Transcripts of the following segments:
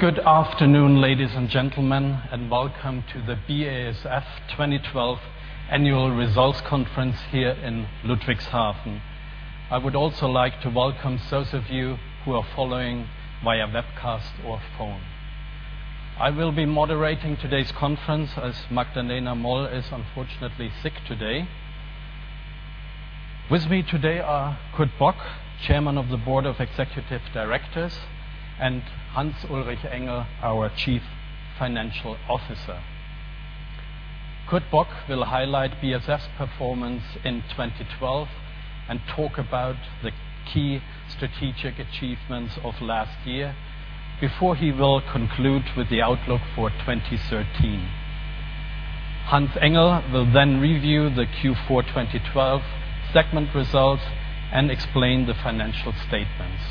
Good afternoon, ladies and gentlemen, and welcome to the BASF 2012 Annual Results Conference here in Ludwigshafen. I would also like to welcome those of you who are following via webcast or phone. I will be moderating today's conference as Magdalena Moll is unfortunately sick today. With me today are Kurt Bock, Chairman of the Board of Executive Directors, and Hans-Ulrich Engel, our Chief Financial Officer. Kurt Bock will highlight BASF's performance in 2012 and talk about the key strategic achievements of last year before he will conclude with the outlook for 2013. Hans-Ulrich Engel will then review the Q4 2012 segment results and explain the financial statements.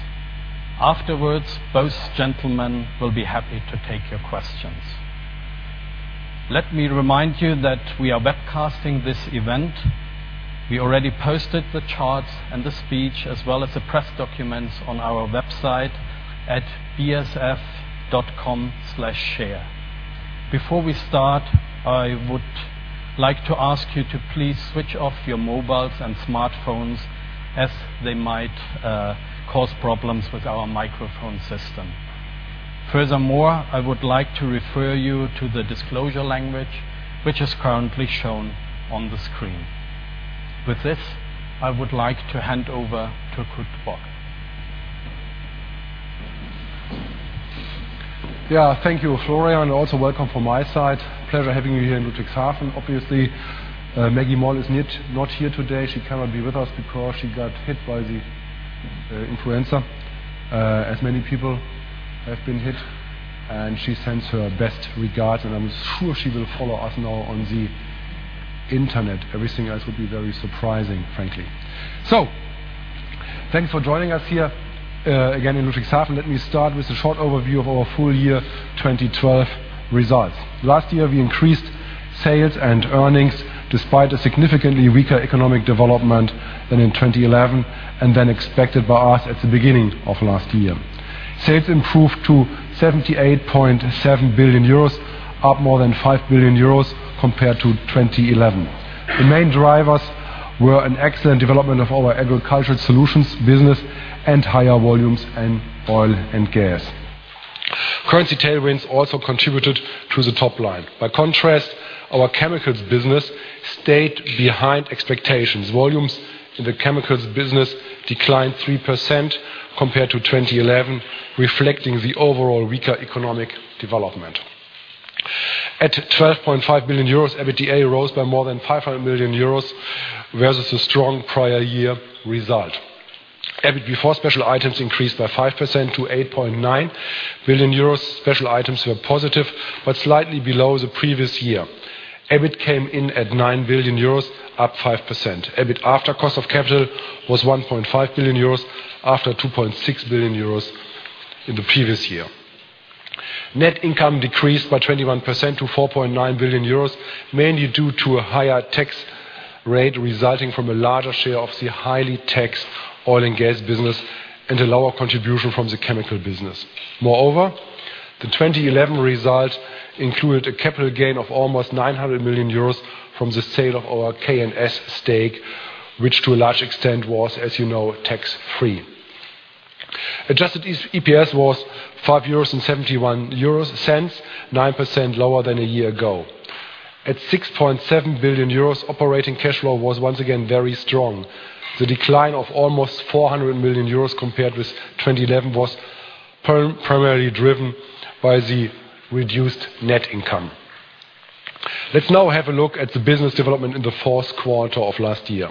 Afterwards, both gentlemen will be happy to take your questions. Let me remind you that we are webcasting this event. We already posted the charts and the speech, as well as the press documents on our website at basf.com/share. Before we start, I would like to ask you to please switch off your mobiles and smartphones as they might cause problems with our microphone system. Furthermore, I would like to refer you to the disclosure language, which is currently shown on the screen. With this, I would like to hand over to Kurt Bock. Yeah. Thank you, Florian. Also welcome from my side. Pleasure having you here in Ludwigshafen. Obviously, Maggie Moll is not here today. She cannot be with us because she got hit by the influenza, as many people have been hit. She sends her best regards, and I'm sure she will follow us now on the internet. Everything else would be very surprising, frankly. Thanks for joining us here, again in Ludwigshafen. Let me start with a short overview of our full year 2012 results. Last year, we increased sales and earnings despite a significantly weaker economic development than in 2011 and than expected by us at the beginning of last year. Sales improved to 78.7 billion euros, up more than 5 billion euros compared to 2011. The main drivers were an excellent development of our Agricultural Solutions business and higher volumes in oil and gas. Currency tailwinds also contributed to the top line. By contrast, our Chemicals business stayed behind expectations. Volumes in the Chemicals business declined 3% compared to 2011, reflecting the overall weaker economic development. At 12.5 billion euros, EBITDA rose by more than 500 million euros, versus a strong prior year result. EBIT before special items increased by 5% to 8.9 billion euros. Special items were positive but slightly below the previous year. EBIT came in at 9 billion euros, up 5%. EBIT after cost of capital was 1.5 billion euros after 2.6 billion euros in the previous year. Net income decreased by 21% to 4.9 billion euros, mainly due to a higher tax rate resulting from a larger share of the highly taxed oil and gas business and a lower contribution from the chemical business. Moreover, the 2011 result included a capital gain of almost 900 million euros from the sale of our KNS stake, which to a large extent was, as you know, tax-free. Adjusted EPS was EUR 5.71, 9% lower than a year ago. At 6.7 billion euros, operating cash flow was once again very strong. The decline of almost 400 million euros compared with 2011 was primarily driven by the reduced net income. Let's now have a look at the business development in the Q4 of last year.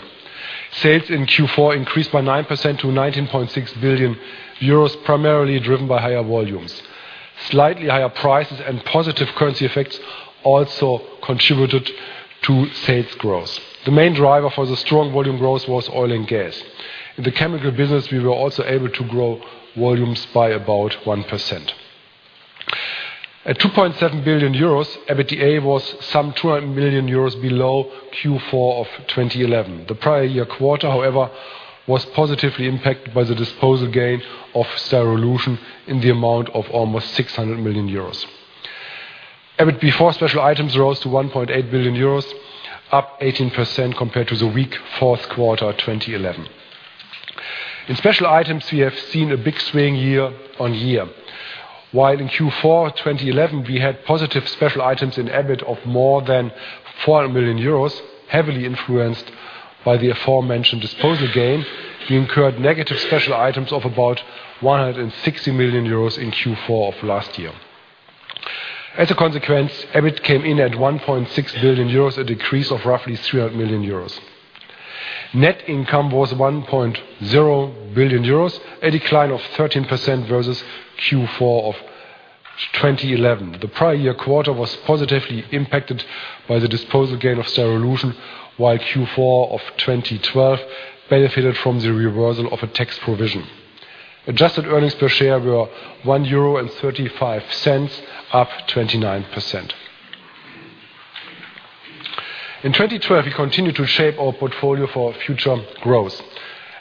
Sales in Q4 increased by 9% to 19.6 billion euros, primarily driven by higher volumes. Slightly higher prices and positive currency effects also contributed to sales growth. The main driver for the strong volume growth was oil and gas. In the chemical business, we were also able to grow volumes by about 1%. At 2.7 billion euros, EBITDA was some 200 million euros below Q4 of 2011. The prior year quarter, however, was positively impacted by the disposal gain of Styrolution in the amount of almost 600 million euros. EBIT before special items rose to 1.8 billion euros, up 18% compared to the weak Q4 2011. In special items, we have seen a big swing year-over-year. While in Q4 2011 we had positive special items in EBIT of more than 400 million euros, heavily influenced by the aforementioned disposal gain, we incurred negative special items of about 160 million euros in Q4 of last year. As a consequence, EBIT came in at 1.6 billion euros, a decrease of roughly 300 million euros. Net income was 1.0 billion euros, a decline of 13% versus Q4 of 2011. The prior year quarter was positively impacted by the disposal gain of Styrolution, while Q4 of 2012 benefited from the reversal of a tax provision. Adjusted earnings per share were 1.35 euro, up 29%. In 2012, we continued to shape our portfolio for future growth.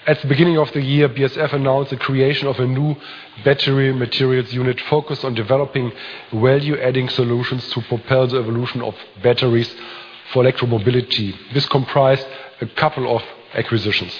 At the beginning of the year, BASF announced the creation of a new battery materials unit focused on developing value-adding solutions to propel the evolution of batteries for electromobility. This comprised a couple of acquisitions,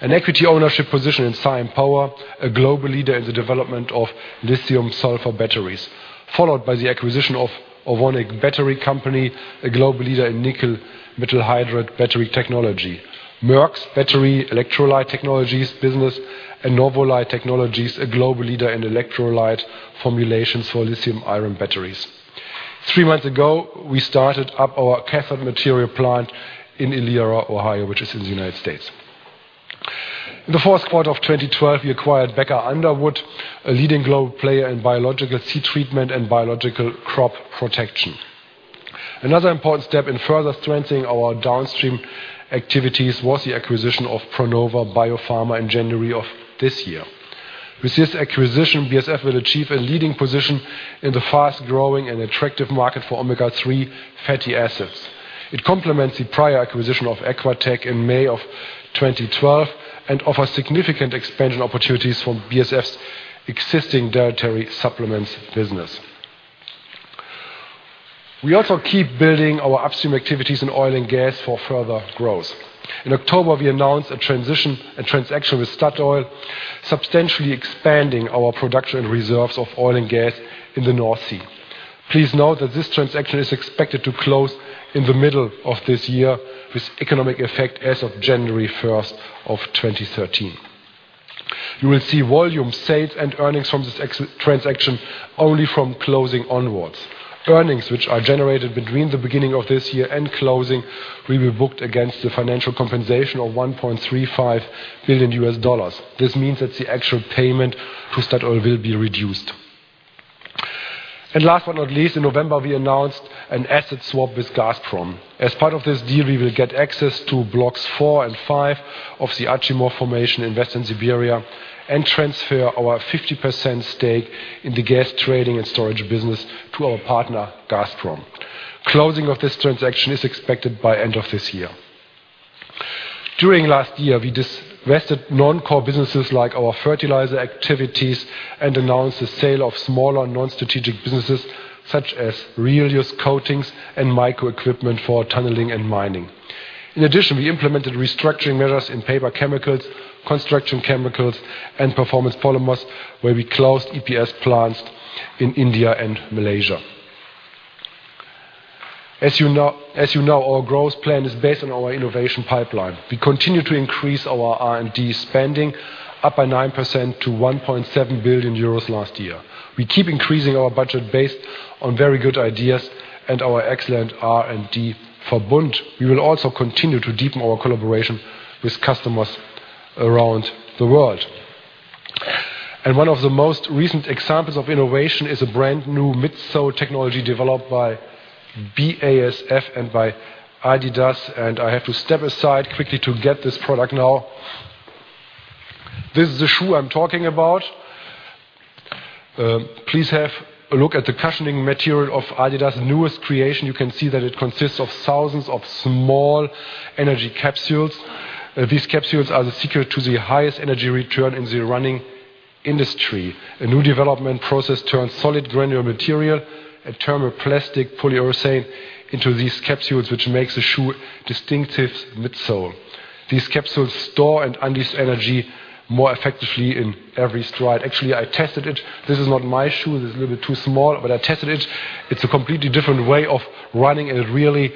an equity ownership position in Sion Power, a global leader in the development of lithium-sulfur batteries, followed by the acquisition of Ovonic Battery Company, a global leader in nickel metal hydride battery technology, Merck's battery electrolyte technologies business, and Novolyte Technologies, a global leader in electrolyte formulations for lithium-ion batteries. Three months ago, we started up our cathode material plant in Elyria, Ohio, which is in the United States. In the Q4 of 2012, we acquired Becker Underwood, a leading global player in biological seed treatment and biological crop protection. Another important step in further strengthening our downstream activities was the acquisition of Pronova BioPharma in January of this year. With this acquisition, BASF will achieve a leading position in the fast-growing and attractive market for omega-3 fatty acids. It complements the prior acquisition of Equateq in May 2012 and offers significant expansion opportunities for BASF's existing dietary supplements business. We also keep building our upstream activities in oil and gas for further growth. In October, we announced a transaction with Statoil, substantially expanding our production reserves of oil and gas in the North Sea. Please note that this transaction is expected to close in the middle of this year, with economic effect as of January 1, 2013. You will see volume sales and earnings from this transaction only from closing onwards. Earnings which are generated between the beginning of this year and closing will be booked against the financial compensation of $1.35 billion. This means that the actual payment to Statoil will be reduced. Last but not least, in November, we announced an asset swap with Gazprom. As part of this deal, we will get access to blocks four and five of the Achimov formation investment in Siberia and transfer our 50% stake in the gas trading and storage business to our partner, Gazprom. Closing of this transaction is expected by end of this year. During last year, we divested non-core businesses like our fertilizer activities and announced the sale of smaller non-strategic businesses such as Relius Coatings and Meyco Equipment for tunneling and mining. In addition, we implemented restructuring measures in Paper Chemicals, Construction Chemicals, and performance polymers, where we closed EPS plants in India and Malaysia. As you know, our growth plan is based on our innovation pipeline. We continue to increase our R&D spending, up by 9% to 1.7 billion euros last year. We keep increasing our budget based on very good ideas and our excellent R&D Verbund. We will also continue to deepen our collaboration with customers around the world. One of the most recent examples of innovation is a brand-new midsole technology developed by BASF and by Adidas, and I have to step aside quickly to get this product now. This is the shoe I'm talking about. Please have a look at the cushioning material of Adidas' newest creation. You can see that it consists of thousands of small energy capsules, these capsules are the secret to the highest energy return in the running industry. A new development process turns solid granular material and thermoplastic polyurethane into these capsules, which makes the shoe distinctive midsole. These capsules store and release energy more effectively in every stride. Actually, I tested it. This is not my shoe, this is a little bit too small, but I tested it. It's a completely different way of running, and it really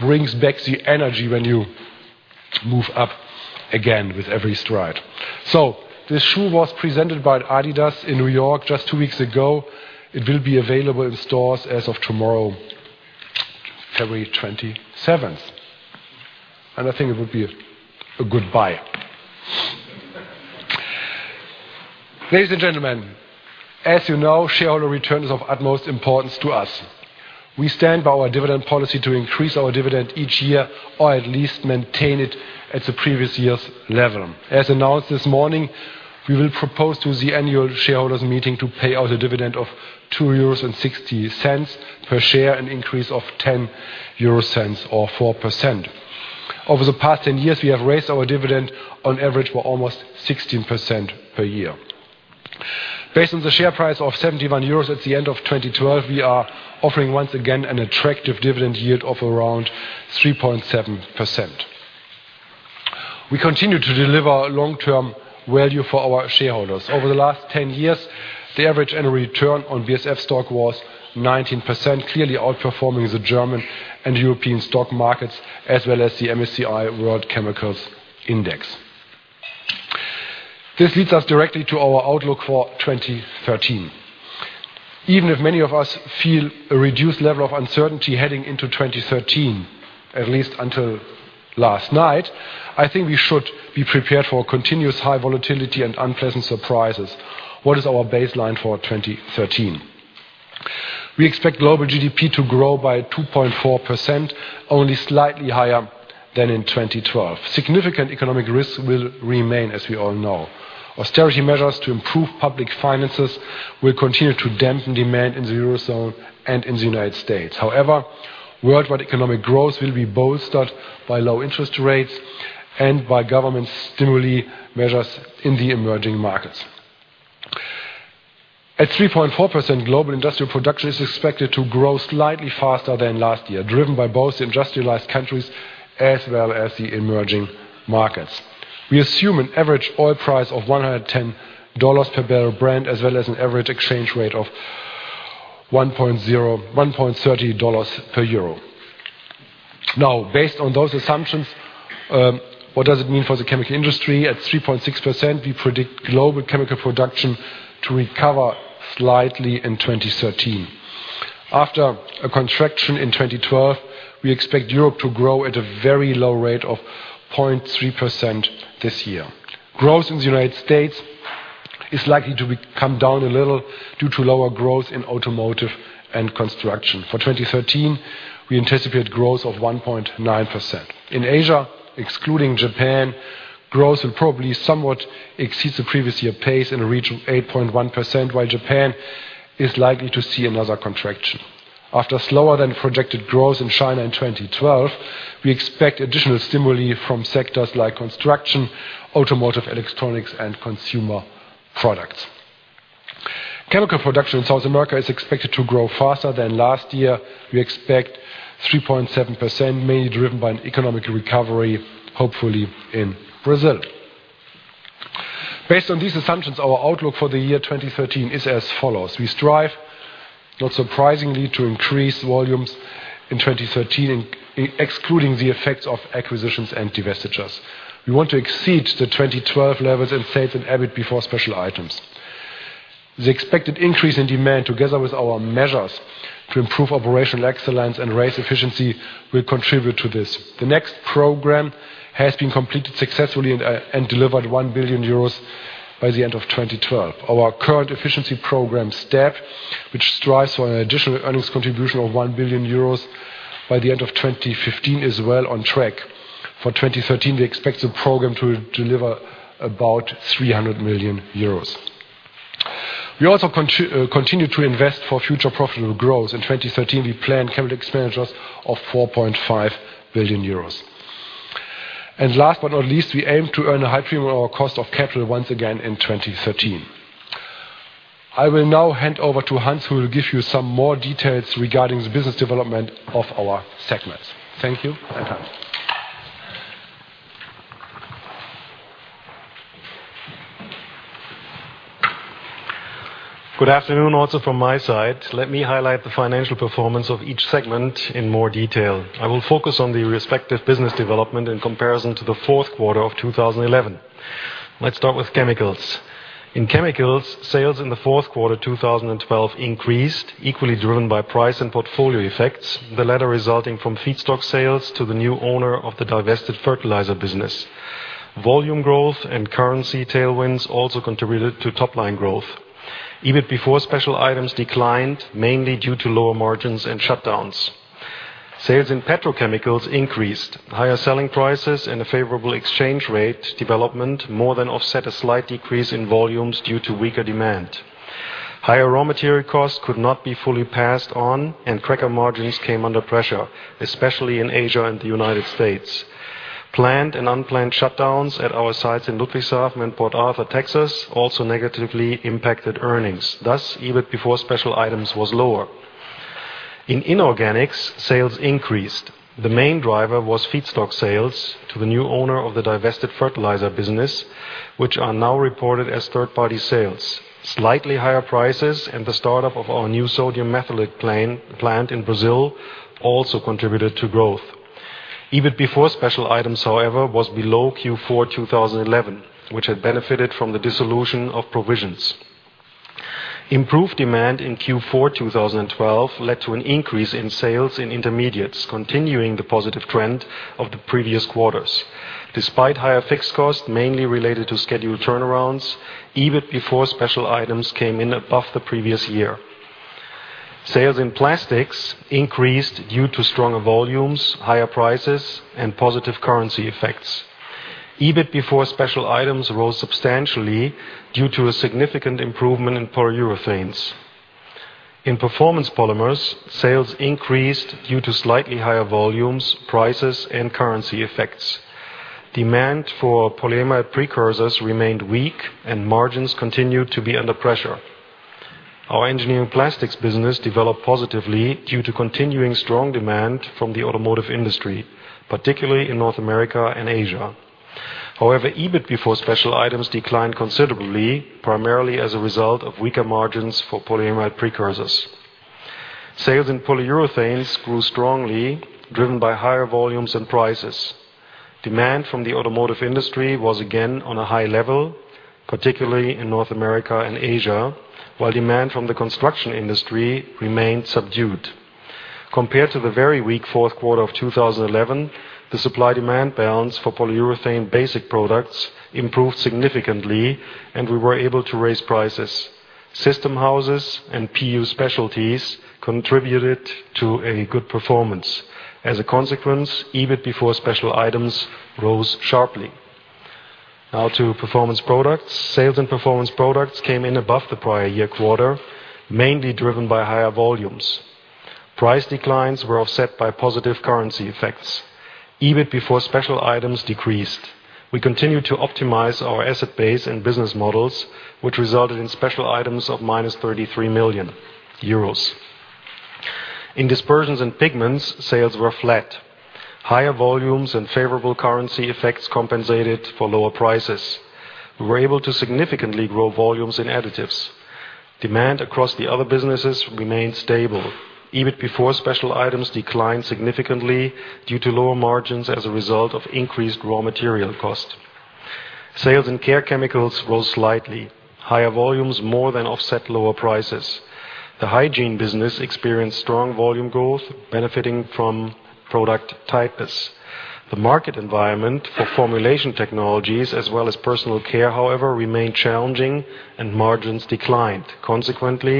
brings back the energy when you move up again with every stride. This shoe was presented by Adidas in New York just two weeks ago. It will be available in stores as of tomorrow, February twenty-seventh. I think it would be a good buy. Ladies and gentlemen, as you know, shareholder return is of utmost importance to us. We stand by our dividend policy to increase our dividend each year or at least maintain it at the previous year's level. As announced this morning, we will propose to the annual shareholders meeting to pay out a dividend of 2.60 euros per share, an increase of 0.10 or 4%. Over the past 10 years, we have raised our dividend on average by almost 16% per year. Based on the share price of 71 euros at the end of 2012, we are offering once again an attractive dividend yield of around 3.7%. We continue to deliver long-term value for our shareholders. Over the last 10 years, the average annual return on BASF stock was 19%, clearly outperforming the German and European stock markets, as well as the MSCI World Chemicals Index. This leads us directly to our outlook for 2013. Even if many of us feel a reduced level of uncertainty heading into 2013, at least until last night, I think we should be prepared for continuous high volatility and unpleasant surprises. What is our baseline for 2013? We expect global GDP to grow by 2.4%, only slightly higher than in 2012. Significant economic risks will remain as we all know. Austerity measures to improve public finances will continue to dampen demand in the Eurozone and in the United States. However, worldwide economic growth will be bolstered by low interest rates and by government stimuli measures in the emerging markets. At 3.4%, global industrial production is expected to grow slightly faster than last year, driven by both industrialized countries as well as the emerging markets. We assume an average oil price of $110 per barrel Brent, as well as an average exchange rate of 1.30 dollars per euro. Now, based on those assumptions, what does it mean for the chemical industry? At 3.6%, we predict global chemical production to recover slightly in 2013. After a contraction in 2012, we expect Europe to grow at a very low rate of 0.3% this year. Growth in the United States is likely to come down a little due to lower growth in automotive and construction. For 2013, we anticipate growth of 1.9%. In Asia, excluding Japan, growth will probably somewhat exceed the previous year pace in a region of 8.1%, while Japan is likely to see another contraction. After slower than projected growth in China in 2012, we expect additional stimuli from sectors like construction, automotive, electronics, and consumer products. Chemical production in South America is expected to grow faster than last year. We expect 3.7%, mainly driven by an economic recovery, hopefully in Brazil. Based on these assumptions, our outlook for the year 2013 is as follows: we strive, not surprisingly, to increase volumes in 2013, excluding the effects of acquisitions and divestitures. We want to exceed the 2012 levels in sales and EBIT before special items. The expected increase in demand, together with our measures to improve operational excellence and raise efficiency, will contribute to this. The next program has been completed successfully and delivered 1 billion euros by the end of 2012. Our current efficiency program STEP, which strives for an additional earnings contribution of 1 billion euros by the end of 2015, is well on track. For 2013, we expect the program to deliver about 300 million euros. We also continue to invest for future profitable growth. In 2013, we plan capital expenditures of 4.5 billion euros. Last but not least, we aim to earn a high premium on our cost of capital once again in 2013. I will now hand over to Hans, who will give you some more details regarding the business development of our segments. Thank you, and Hans. Good afternoon also from my side. Let me highlight the financial performance of each segment in more detail. I will focus on the respective business development in comparison to the Q4 of 2011. Let's start with Chemicals. In Chemicals, sales in the Q4 2012 increased, equally driven by price and portfolio effects, the latter resulting from feedstock sales to the new owner of the divested fertilizer business. Volume growth and currency tailwinds also contributed to top-line growth. EBIT before special items declined, mainly due to lower margins and shutdowns. Sales in Petrochemicals increased. Higher selling prices and a favorable exchange rate development more than offset a slight decrease in volumes due to weaker demand. Higher raw material costs could not be fully passed on, and cracker margins came under pressure, especially in Asia and the United States. Planned and unplanned shutdowns at our sites in Ludwigshafen and Port Arthur, Texas, also negatively impacted earnings. Thus, EBIT before special items was lower. In Inorganics, sales increased. The main driver was feedstock sales to the new owner of the divested fertilizer business, which are now reported as third-party sales. Slightly higher prices and the startup of our new sodium methoxide plant in Brazil also contributed to growth. EBIT before special items, however, was below Q4 2011, which had benefited from the dissolution of provisions. Improved demand in Q4 2012 led to an increase in sales in intermediates, continuing the positive trend of the previous quarters. Despite higher fixed costs, mainly related to scheduled turnarounds, EBIT before special items came in above the previous year. Sales in plastics increased due to stronger volumes, higher prices, and positive currency effects. EBIT before special items rose substantially due to a significant improvement in polyurethanes. In performance polymers, sales increased due to slightly higher volumes, prices, and currency effects. Demand for polyamide precursors remained weak and margins continued to be under pressure. Our engineering plastics business developed positively due to continuing strong demand from the automotive industry, particularly in North America and Asia. However, EBIT before special items declined considerably, primarily as a result of weaker margins for polyamide precursors. Sales in polyurethanes grew strongly, driven by higher volumes and prices. Demand from the automotive industry was again on a high level, particularly in North America and Asia, while demand from the construction industry remained subdued. Compared to the very weak Q4 of 2011, the supply-demand balance for polyurethane basic products improved significantly, and we were able to raise prices. System houses and PU specialties contributed to a good performance. As a consequence, EBIT before special items rose sharply. Now to Performance Products. Sales in Performance Products came in above the prior year quarter, mainly driven by higher volumes. Price declines were offset by positive currency effects. EBIT before special items decreased. We continued to optimize our asset base and business models, which resulted in special items of minus 33 million euros. In Dispersions & Pigments, sales were flat. Higher volumes and favorable currency effects compensated for lower prices. We were able to significantly grow volumes in additives. Demand across the other businesses remained stable. EBIT before special items declined significantly due to lower margins as a result of increased raw material cost. Sales in Care Chemicals rose slightly. Higher volumes more than offset lower prices. The hygiene business experienced strong volume growth benefiting from product types. The market environment for formulation technologies as well as personal care, however, remained challenging and margins declined. Consequently,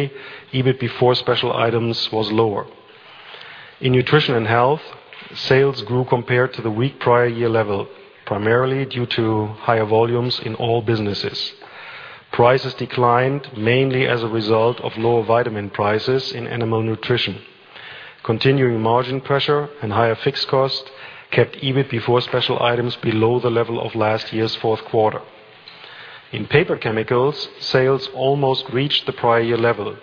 EBIT before special items was lower. In Nutrition and Health, sales grew compared to the weak prior year level, primarily due to higher volumes in all businesses. Prices declined mainly as a result of lower vitamin prices in animal nutrition. Continuing margin pressure and higher fixed cost kept EBIT before special items below the level of last year's Q4. In Paper Chemicals, sales almost reached the prior year level.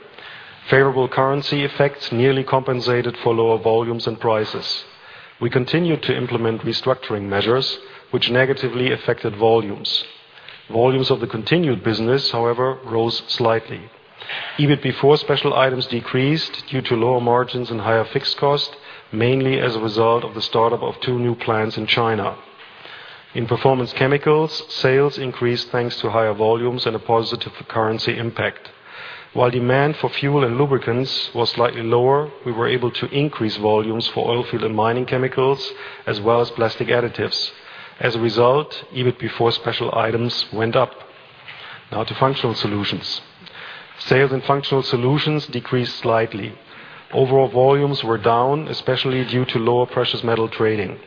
Favorable currency effects nearly compensated for lower volumes and prices. We continued to implement restructuring measures which negatively affected volumes. Volumes of the continued business, however, rose slightly. EBIT before special items decreased due to lower margins and higher fixed cost, mainly as a result of the startup of two new plants in China. In Performance Chemicals, sales increased thanks to higher volumes and a positive currency impact. While demand for fuel and lubricants was slightly lower, we were able to increase volumes for oil field and mining chemicals as well as plastic additives. As a result, EBIT before special items went up. Now to Functional Solutions. Sales in Functional Solutions decreased slightly. Overall volumes were down, especially due to lower precious metal trading.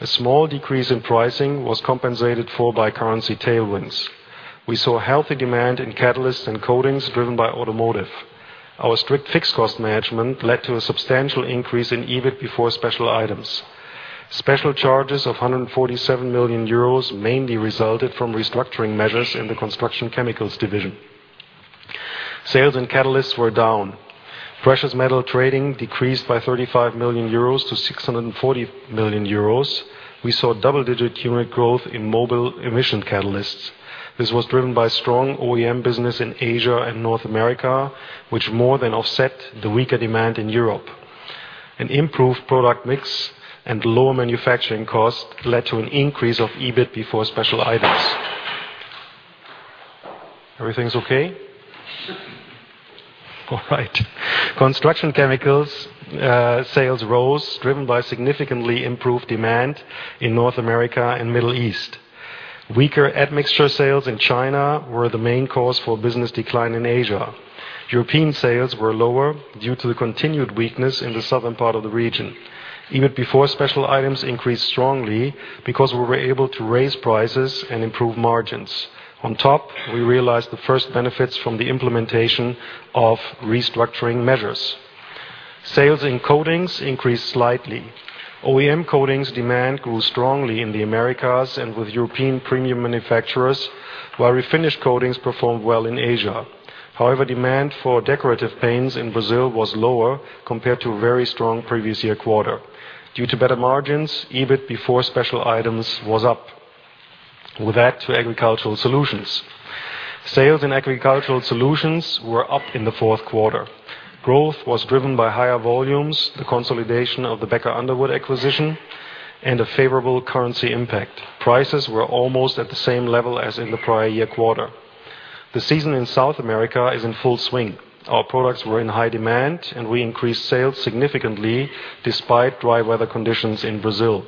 A small decrease in pricing was compensated for by currency tailwinds. We saw healthy demand in catalysts and coatings driven by automotive. Our strict fixed cost management led to a substantial increase in EBIT before special items. Special charges of 147 million euros mainly resulted from restructuring measures in the Construction Chemicals division. Sales in catalysts were down. Precious metal trading decreased by 35 million euros to 640 million euros. We saw double-digit unit growth in mobile emission catalysts. This was driven by strong OEM business in Asia and North America, which more than offset the weaker demand in Europe. An improved product mix and lower manufacturing cost led to an increase of EBIT before special items. Everything's okay? All right. Construction Chemicals, sales rose, driven by significantly improved demand in North America and Middle East. Weaker admixture sales in China were the main cause for business decline in Asia. European sales were lower due to the continued weakness in the southern part of the region. EBIT before special items increased strongly because we were able to raise prices and improve margins. On top, we realized the first benefits from the implementation of restructuring measures. Sales in Coatings increased slightly. OEM coatings demand grew strongly in the Americas and with European premium manufacturers, while refinished coatings performed well in Asia. However, demand for decorative paints in Brazil was lower compared to a very strong previous year quarter. Due to better margins, EBIT before special items was up. With that to Agricultural Solutions. Sales in Agricultural Solutions were up in the Q4. Growth was driven by higher volumes, the consolidation of the Becker Underwood acquisition, and a favorable currency impact. Prices were almost at the same level as in the prior year quarter. The season in South America is in full swing. Our products were in high demand, and we increased sales significantly despite dry weather conditions in Brazil.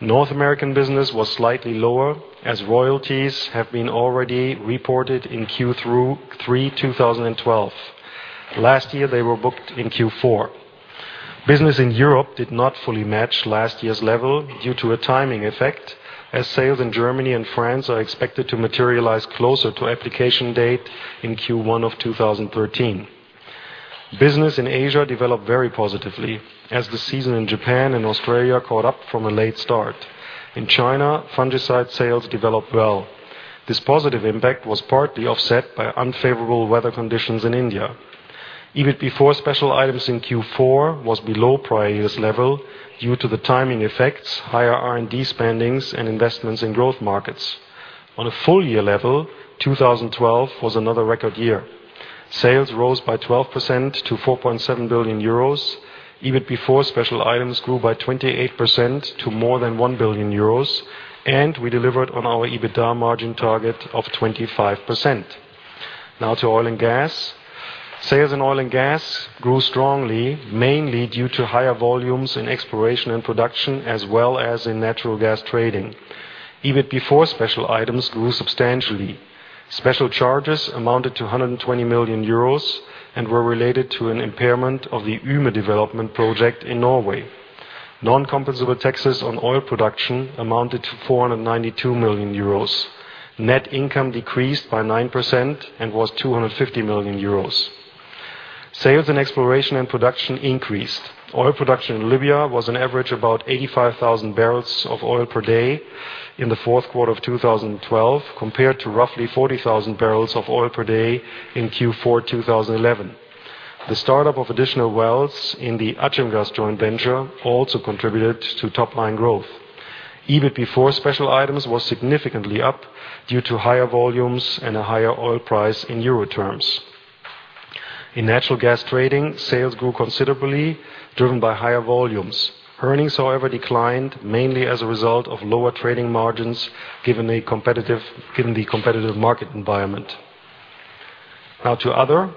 North American business was slightly lower as royalties have been already reported in Q3 2012. Last year, they were booked in Q4. Business in Europe did not fully match last year's level due to a timing effect, as sales in Germany and France are expected to materialize closer to application date in Q1 of 2013. Business in Asia developed very positively as the season in Japan and Australia caught up from a late start. In China, fungicide sales developed well. This positive impact was partly offset by unfavorable weather conditions in India. EBIT before special items in Q4 was below prior year's level due to the timing effects, higher R&D spending, and investments in growth markets. On a full year level, 2012 was another record year. Sales rose by 12% to 4.7 billion euros. EBIT before special items grew by 28% to more than 1 billion euros, and we delivered on our EBITDA margin target of 25%. Now to Oil & Gas. Sales in oil & gas grew strongly, mainly due to higher volumes in exploration & production, as well as in natural gas trading. EBIT before special items grew substantially. Special charges amounted to 120 million euros and were related to an impairment of the Yme development project in Norway. Non-compensable taxes on oil production amounted to 492 million euros. Net income decreased by 9% and was 250 million euros. Sales in exploration & production increased. Oil production in Libya was an average about 85,000 barrels of oil per day in the Q4 of 2012 compared to roughly 40,000 barrels of oil per day in Q4 2011. The startup of additional wells in the Achimgaz joint venture also contributed to top-line growth. EBIT before special items was significantly up due to higher volumes and a higher oil price in euro terms. In natural gas trading, sales grew considerably, driven by higher volumes. Earnings, however, declined mainly as a result of lower trading margins, given the competitive market environment. Now to other.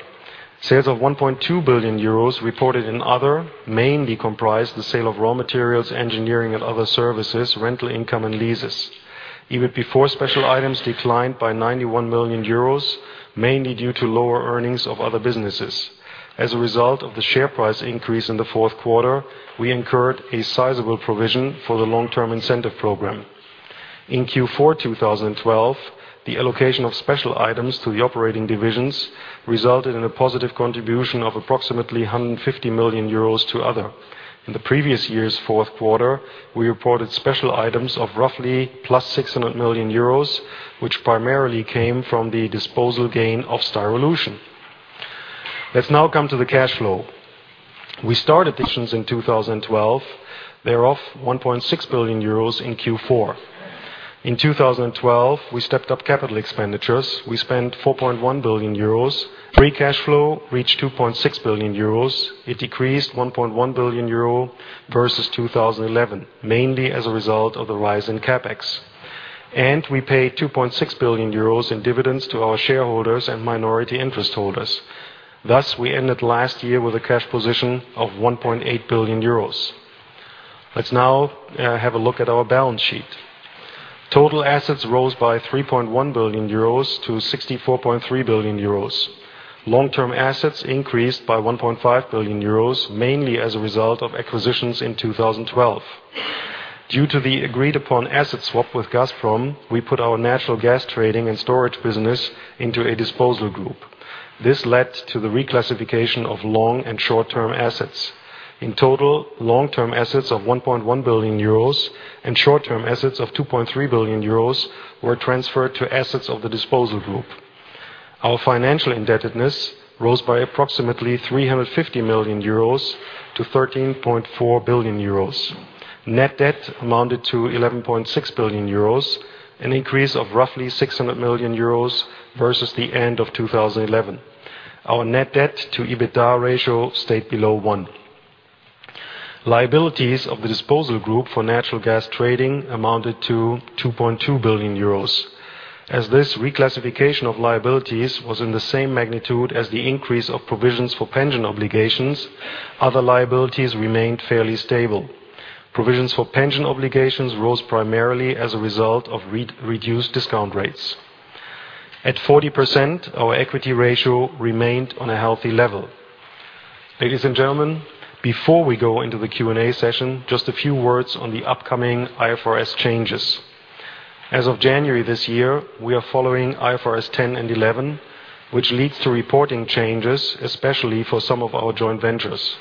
Sales of 1.2 billion euros reported in other, mainly comprised the sale of raw materials, engineering and other services, rental income, and leases. EBIT before special items declined by 91 million euros, mainly due to lower earnings of other businesses. As a result of the share price increase in the Q4, we incurred a sizable provision for the long-term incentive program. In Q4, 2012, the allocation of special items to the operating divisions resulted in a positive contribution of approximately 150 million euros to other. In the previous year's Q4, we reported special items of roughly +600 million euros, which primarily came from the disposal gain of Styrolution. Let's now come to the cash flow. We started additions in 2012. They are of 1.6 billion euros in Q4. In 2012, we stepped up capital expenditures. We spent 4.1 billion euros. Free cash flow reached 2.6 billion euros. It decreased 1.1 billion euro versus 2011, mainly as a result of the rise in CapEx. We paid 2.6 billion euros in dividends to our shareholders and minority interest holders. Thus, we ended last year with a cash position of 1.8 billion euros. Let's now have a look at our balance sheet. Total assets rose by 3.1 billion euros to 64.3 billion euros. Long-term assets increased by 1.5 billion euros, mainly as a result of acquisitions in 2012. Due to the agreed-upon asset swap with Gazprom, we put our natural gas trading and storage business into a disposal group. This led to the reclassification of long and short-term assets. In total, long-term assets of 1.1 billion euros and short-term assets of 2.3 billion euros were transferred to assets of the disposal group. Our financial indebtedness rose by approximately 350 million euros to 13.4 billion euros. Net debt amounted to 11.6 billion euros, an increase of roughly 600 million euros versus the end of 2011. Our net debt to EBITDA ratio stayed below 1. Liabilities of the disposal group for natural gas trading amounted to 2.2 billion euros. As this reclassification of liabilities was in the same magnitude as the increase of provisions for pension obligations, other liabilities remained fairly stable. Provisions for pension obligations rose primarily as a result of re-reduced discount rates. At 40%, our equity ratio remained on a healthy level. Ladies and gentlemen, before we go into the Q&A session, just a few words on the upcoming IFRS changes. As of January this year, we are following IFRS 10 and 11, which leads to reporting changes, especially for some of our joint ventures.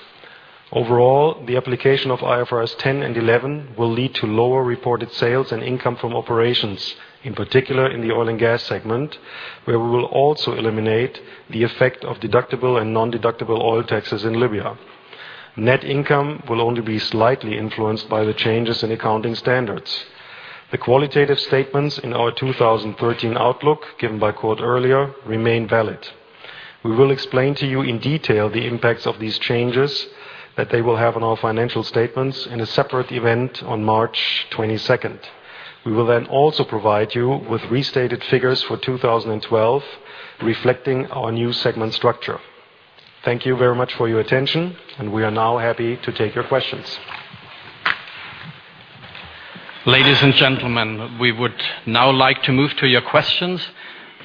Overall, the application of IFRS 10 and 11 will lead to lower reported sales and income from operations, in particular in the oil and gas segment, where we will also eliminate the effect of deductible and nondeductible oil taxes in Libya. Net income will only be slightly influenced by the changes in accounting standards. The qualitative statements in our 2013 outlook, given by Kurt earlier, remain valid. We will explain to you in detail the impacts of these changes that they will have on our financial statements in a separate event on March 22. We will then also provide you with restated figures for 2012, reflecting our new segment structure. Thank you very much for your attention, and we are now happy to take your questions. Ladies and gentlemen, we would now like to move to your questions.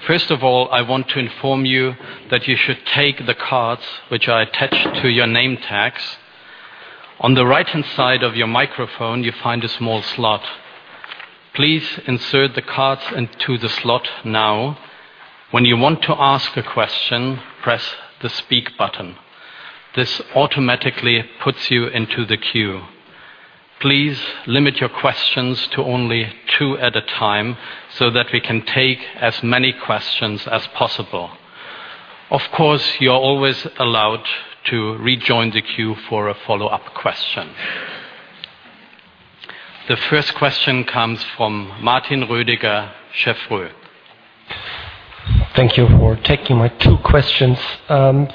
First of all, I want to inform you that you should take the cards which are attached to your name tags. On the right-hand side of your microphone, you find a small slot. Please insert the cards into the slot now. When you want to ask a question, press the Speak button. This automatically puts you into the queue. Please limit your questions to only two at a time so that we can take as many questions as possible. Of course, you are always allowed to rejoin the queue for a follow-up question. The first question comes from Martin Rüdiger, Cheuvreux. Thank you for taking my two questions.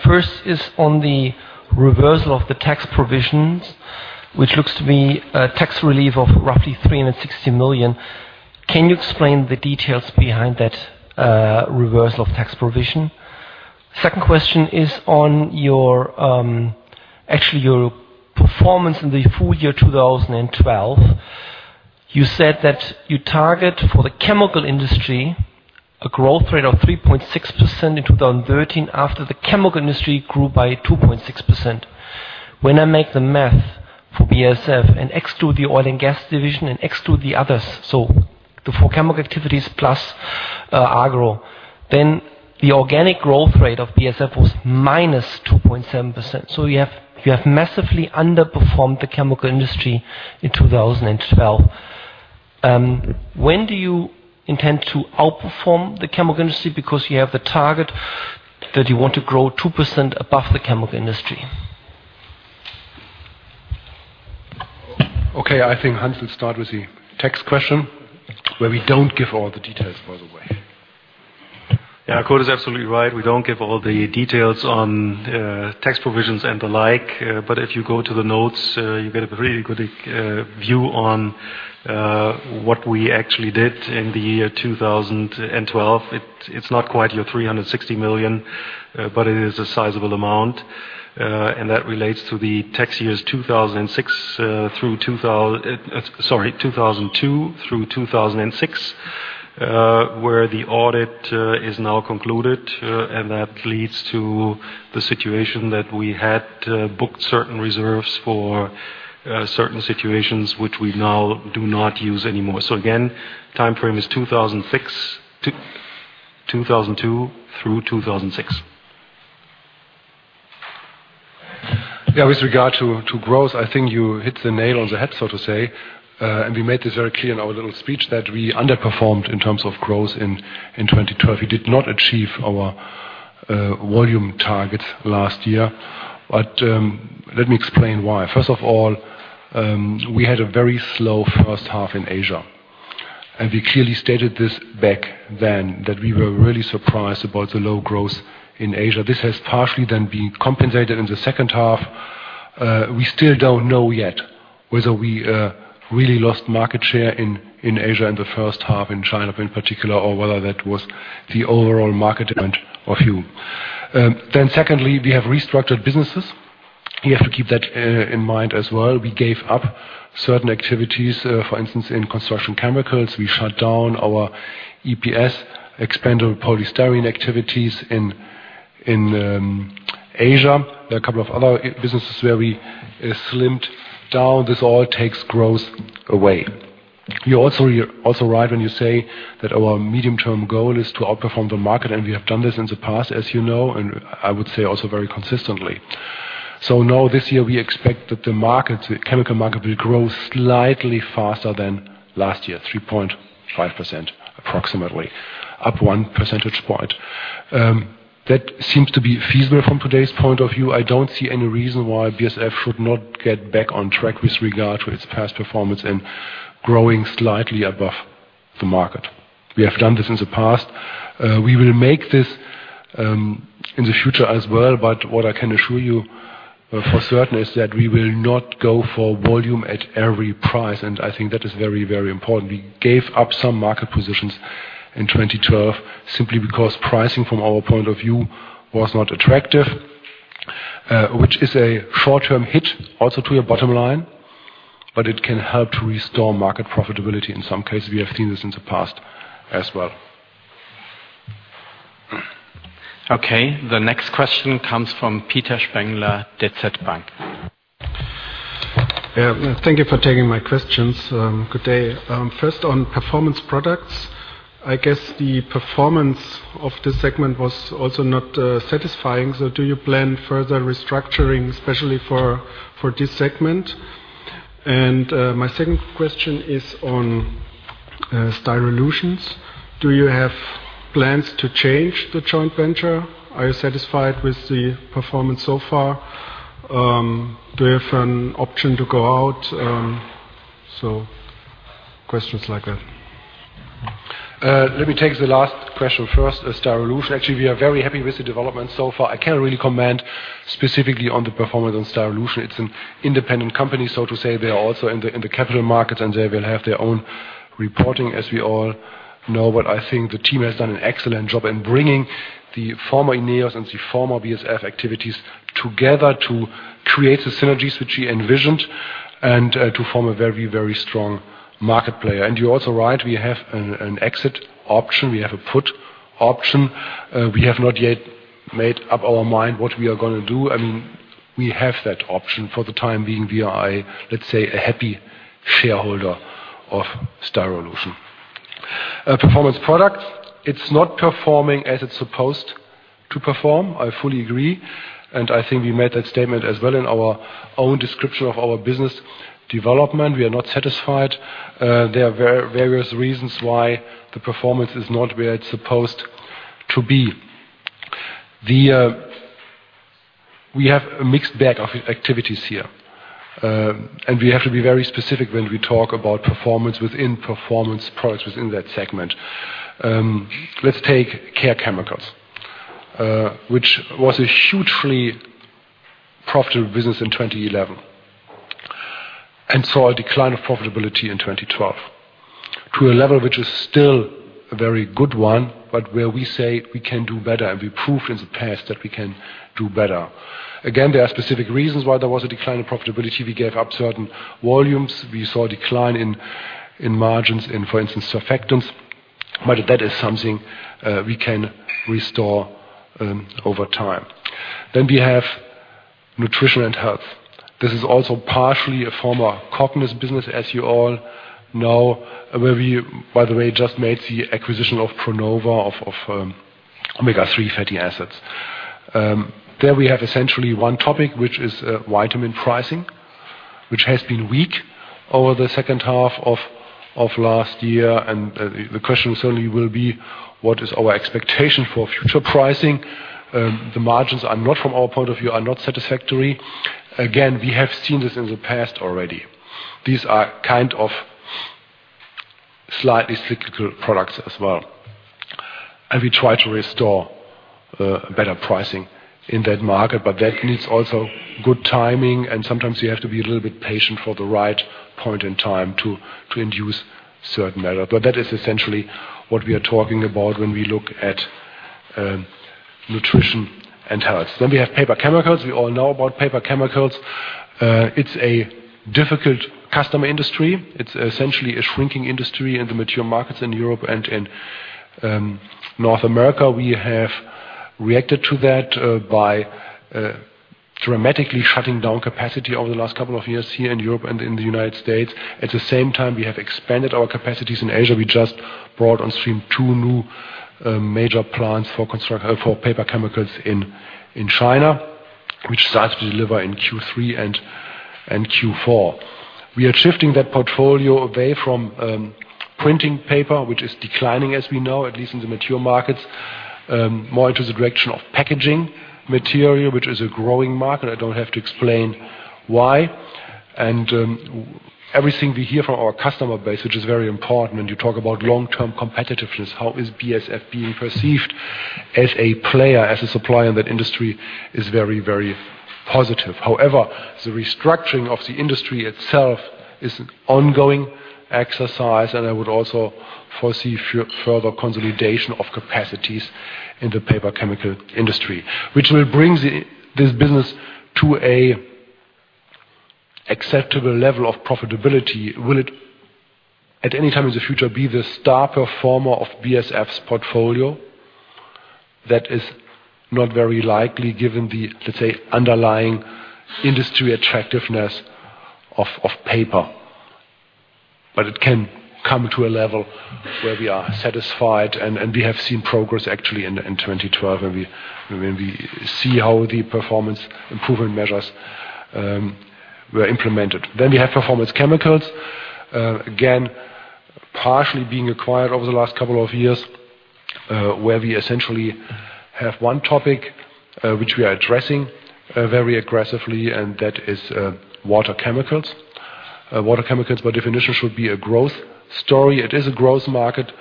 First is on the reversal of the tax provisions, which looks to be a tax relief of roughly 360 million. Can you explain the details behind that reversal of tax provision? Second question is on your, actually, your performance in the full year 2012. You said that you target for the chemical industry a growth rate of 3.6% in 2013 after the chemical industry grew by 2.6%. When I do the math for BASF and exclude the oil and gas division and exclude the others, so the four chemical activities plus agro, then the organic growth rate of BASF was -2.7%. You have massively underperformed the chemical industry in 2012. When do you intend to outperform the chemical industry because you have the target that you want to grow 2% above the chemical industry? Okay, I think Hans will start with the tax question, where we don't give all the details, by the way. Yeah, Kurt is absolutely right. We don't give all the details on tax provisions and the like. If you go to the notes, you get a pretty good view on what we actually did in the year 2012. It's not quite your 360 million, but it is a sizable amount. That relates to the tax years 2002 through 2006, where the audit is now concluded. That leads to the situation that we had booked certain reserves for certain situations which we now do not use anymore. Again, time frame is 2002 through 2006. Yeah, with regard to growth, I think you hit the nail on the head, so to say. We made this very clear in our little speech that we underperformed in terms of growth in 2012. We did not achieve our volume targets last year. Let me explain why. First of all, we had a very slow first half in Asia, and we clearly stated this back then that we were really surprised about the low growth in Asia. This has partially been compensated in the second half. We still don't know yet whether we really lost market share in Asia in the first half, in China in particular, or whether that was the overall market demand or view. Secondly, we have restructured businesses. You have to keep that in mind as well. We gave up certain activities, for instance, in Construction Chemicals. We shut down our EPS Expandable Polystyrene activities in Asia. There are a couple of other businesses where we slimmed down. This all takes growth away. You're also right when you say that our medium-term goal is to outperform the market, and we have done this in the past, as you know, and I would say also very consistently. Now this year we expect that the market, the chemical market will grow slightly faster than last year, 3.5% approximately, up one percentage point. That seems to be feasible from today's point of view. I don't see any reason why BASF should not get back on track with regard to its past performance and growing slightly above the market. We have done this in the past. We will make this in the future as well, but what I can assure you for certain is that we will not go for volume at every price, and I think that is very, very important. We gave up some market positions in 2012 simply because pricing from our point of view was not attractive, which is a short-term hit also to your bottom line, but it can help to restore market profitability in some cases. We have seen this in the past as well. Okay. The next question comes from Peter Spengler, DZ Bank. Yeah. Thank you for taking my questions. Good day. First on Performance Products, I guess the performance of this segment was also not satisfying. Do you plan further restructuring, especially for this segment? My second question is on Styrolution. Do you have plans to change the joint venture? Are you satisfied with the performance so far? Do you have an option to go out? Questions like that. Let me take the last question first, Styrolution. Actually, we are very happy with the development so far. I can't really comment specifically on the performance on Styrolution. It's an independent company, so to say. They are also in the capital market, and they will have their own reporting, as we all know. I think the team has done an excellent job in bringing the former INEOS and the former BASF activities together to create the synergies which we envisioned and to form a very, very strong market player. You're also right, we have an exit option. We have a put option. We have not yet made up our mind what we are gonna do. I mean, we have that option. For the time being, we are, let's say, a happy shareholder of Styrolution. Performance Products, it's not performing as it's supposed to perform. I fully agree, and I think we made that statement as well in our own description of our business development. We are not satisfied. There are various reasons why the performance is not where it's supposed to be. We have a mixed bag of activities here. We have to be very specific when we talk about performance within Performance Products within that segment. Let's take Care Chemicals, which was a hugely profitable business in 2011 and saw a decline of profitability in 2012 to a level which is still a very good one, but where we say we can do better, and we proved in the past that we can do better. Again, there are specific reasons why there was a decline in profitability. We gave up certain volumes. We saw a decline in margins in, for instance, Surfactants, but that is something we can restore over time. Then we have Nutrition and Health. This is also partially a former Cognis business, as you all know, where we by the way, just made the acquisition of Pronova of omega-3 fatty acids. There we have essentially one topic, which is vitamin pricing, which has been weak over the second half of last year. The question certainly will be: What is our expectation for future pricing? The margins are not from our point of view, are not satisfactory. Again, we have seen this in the past already. These are kind of slightly cyclical products as well, and we try to restore better pricing in that market, but that needs also good timing, and sometimes you have to be a little bit patient for the right point in time to induce certain error. That is essentially what we are talking about when we look at Nutrition and Health. We have Paper Chemicals. We all know about Paper Chemicals. It's a difficult customer industry. It's essentially a shrinking industry in the mature markets in Europe and in North America. We have reacted to that by dramatically shutting down capacity over the last couple of years here in Europe and in the United States. At the same time, we have expanded our capacities in Asia. We just brought on stream two new major plants for Paper Chemicals in China, which starts to deliver in Q3 and Q4. We are shifting that portfolio away from printing paper, which is declining as we know, at least in the mature markets, more into the direction of packaging material, which is a growing market. I don't have to explain why. Everything we hear from our customer base, which is very important, when you talk about long-term competitiveness, how is BASF being perceived as a player, as a supplier in that industry is very, very positive. However, the restructuring of the industry itself is an ongoing exercise, and I would also foresee further consolidation of capacities in the Paper Chemicals industry, which will bring this business to an acceptable level of profitability. Will it, at any time in the future, be the star performer of BASF's portfolio? That is not very likely given the, let's say, underlying industry attractiveness of paper. It can come to a level where we are satisfied and we have seen progress actually in 2012, and we will see how the performance improvement measures were implemented. We have Performance Chemicals, again, partially being acquired over the last couple of years, where we essentially have one topic which we are addressing very aggressively, and that is Paper Chemicals. Paper Chemicals, by definition, should be a growth story. It is a growth market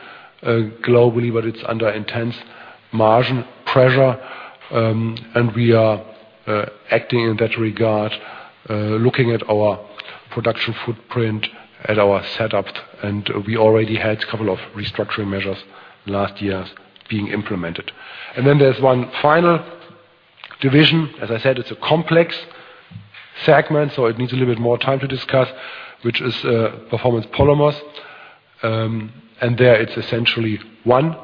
globally, but it's under intense margin pressure. We are acting in that regard, looking at our production footprint at our setup, and we already had a couple of restructuring measures last year being implemented. Then there's one final division. As I said, it's a complex segment, so it needs a little bit more time to discuss, which is Performance Polymers. There, it's essentially one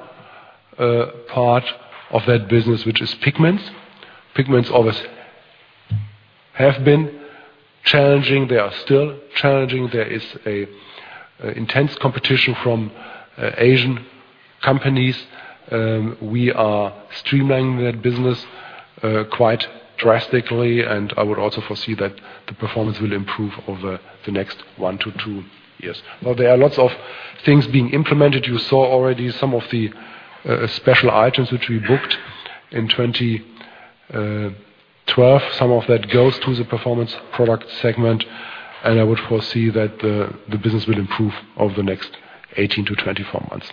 part of that business, which is pigments. Pigments always have been challenging. They are still challenging. There is an intense competition from Asian companies. We are streamlining that business quite drastically, and I would also foresee that the performance will improve over the next one-two years. Now there are lots of things being implemented. You saw already some of the special items which we booked in 2012. Some of that goes to the Performance Products segment, and I would foresee that the business will improve over the next 18-24 months.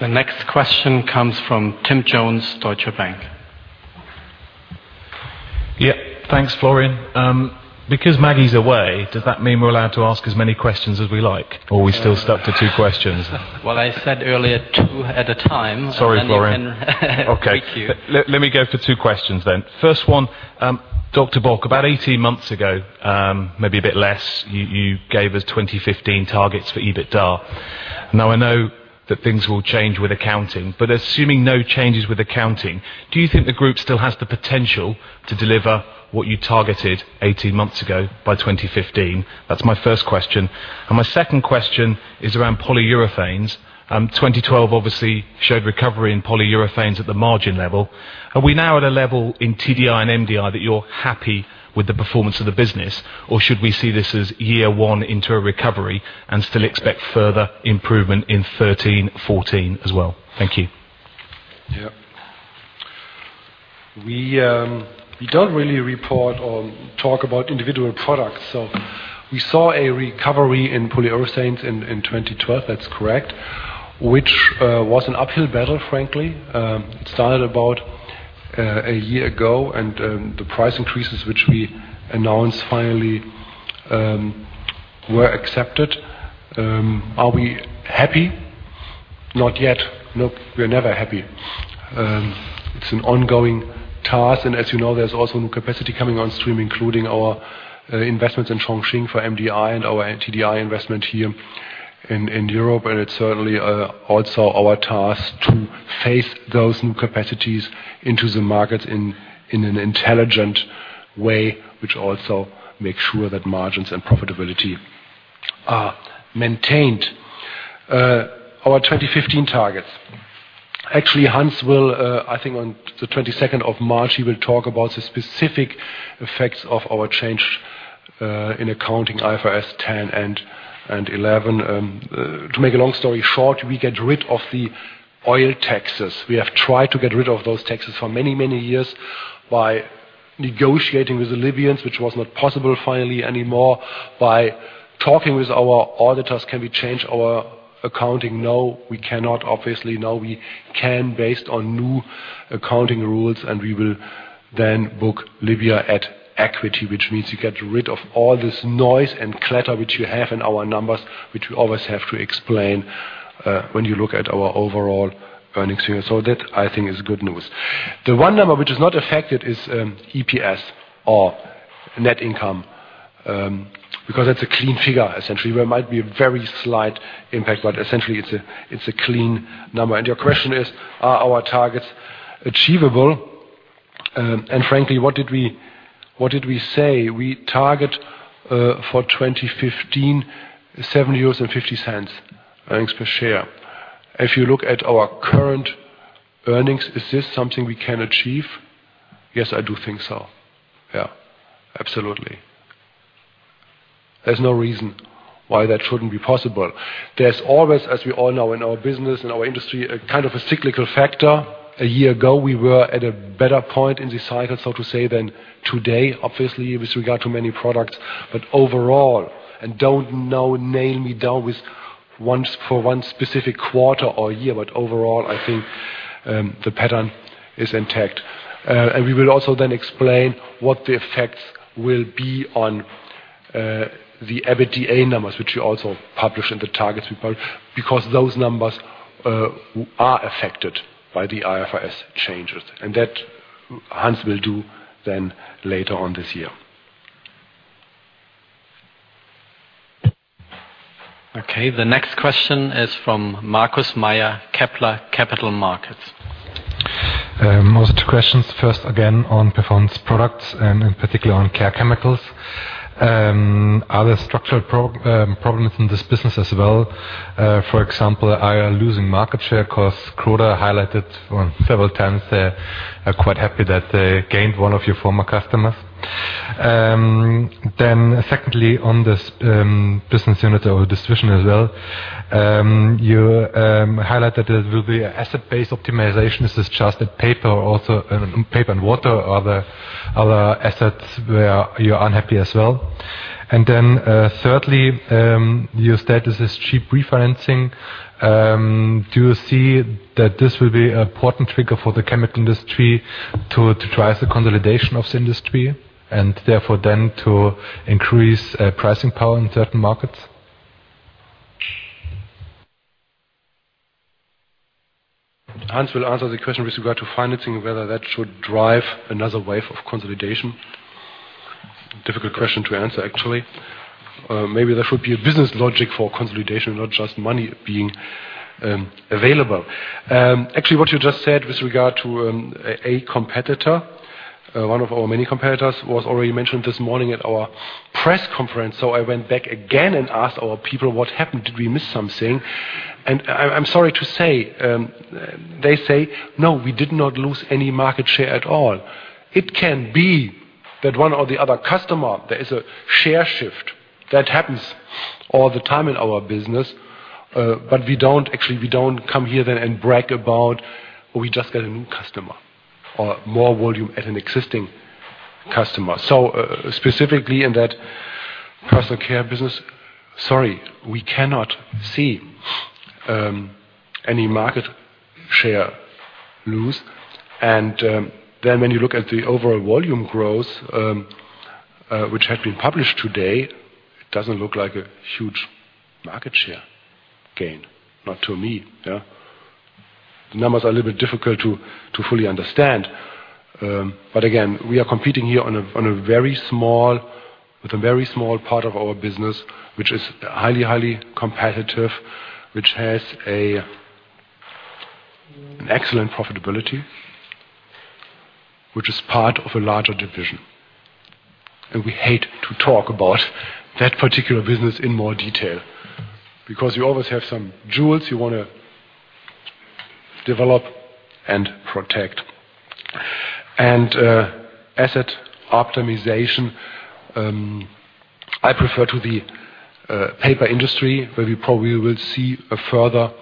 The next question comes from Tim Jones, Deutsche Bank. Yeah. Thanks, Florian. Because Maggie's away, does that mean we're allowed to ask as many questions as we like? Or are we still stuck to two questions? Well, I said earlier, two at a time. Sorry, Florian. you can Okay. Thank you. Let me go for two questions then. First one, Dr. Bock, about 18 months ago, maybe a bit less, you gave us 2015 targets for EBITDA. Now I know that things will change with accounting, but assuming no changes with accounting, do you think the group still has the potential to deliver what you targeted 18 months ago by 2015? That's my first question. My second question is around polyurethanes. 2012 obviously showed recovery in polyurethanes at the margin level. Are we now at a level in TDI and MDI that you're happy with the performance of the business, or should we see this as year one into a recovery and still expect further improvement in 2013-2014 as well? Thank you. We don't really report or talk about individual products. We saw a recovery in polyurethanes in 2012, that's correct. Which was an uphill battle, frankly. It started about a year ago, and the price increases, which we announced finally, were accepted. Are we happy? Not yet. Nope, we're never happy. It's an ongoing task, and as you know, there's also new capacity coming on stream, including our investments in Chongqing for MDI and our TDI investment here in Europe. It's certainly also our task to phase those new capacities into the markets in an intelligent way, which also makes sure that margins and profitability are maintained. Our 2015 targets. Actually, Hans will, I think on the 22nd of March, he will talk about the specific effects of our change in accounting IFRS 10 and 11. To make a long story short, we get rid of the oil taxes. We have tried to get rid of those taxes for many, many years by negotiating with the Libyans, which was not possible finally anymore. By talking with our auditors, can we change our accounting? No, we cannot. Obviously, now we can based on new accounting rules, and we will then book Libya at equity, which means you get rid of all this noise and clutter which you have in our numbers, which we always have to explain when you look at our overall earnings here. That I think is good news. The one number which is not affected is EPS or net income, because that's a clean figure, essentially, where it might be a very slight impact, but essentially it's a clean number. Your question is, are our targets achievable? Frankly, what did we say? We target for 2015, 7.50 euros earnings per share. If you look at our current earnings, is this something we can achieve? Yes, I do think so. Yeah, absolutely. There's no reason why that shouldn't be possible. There's always, as we all know, in our business, in our industry, a kind of a cyclical factor. A year ago, we were at a better point in this cycle, so to say, than today, obviously, with regard to many products. Overall, I think the pattern is intact. We will also explain what the effects will be on the EBITDA numbers, which we also publish in the targets we publish, because those numbers are affected by the IFRS changes. Hans will do that later on this year. Okay. The next question is from Markus Mayer, Kepler Capital Markets. Most questions first, again, on Performance Products and in particular on Care Chemicals. Are there structural problems in this business as well? For example, are you losing market share 'cause Croda highlighted on several times they're quite happy that they gained one of your former customers. Then secondly, on this business unit or this division as well, you highlighted there will be asset-based optimization. Is this just in paper and water or are there other assets where you're unhappy as well? Then, thirdly, you stated this cheap refinancing. Do you see that this will be important trigger for the chemical industry to drive the consolidation of the industry, and therefore then to increase pricing power in certain markets? Hans will answer the question with regard to financing, whether that should drive another wave of consolidation. Difficult question to answer, actually. Maybe there should be a business logic for consolidation, not just money being available. Actually, what you just said with regard to a competitor, one of our many competitors, was already mentioned this morning at our press conference. I went back again and asked our people, "What happened? Did we miss something?" I'm sorry to say, they say, "No, we did not lose any market share at all." It can be that one or the other customer, there is a share shift that happens all the time in our business. Actually, we don't come here then and brag about we just got a new customer or more volume at an existing customer. Specifically in that personal care business, sorry, we cannot see any market share loss. Then when you look at the overall volume growth, which had been published today, it doesn't look like a huge market share gain. Not to me, yeah. The numbers are a little bit difficult to fully understand. But again, we are competing here with a very small part of our business, which is highly competitive, which has an excellent profitability, which is part of a larger division. We hate to talk about that particular business in more detail because you always have some jewels you wanna develop and protect. Asset optimization. I refer to the paper industry, where we probably will see a further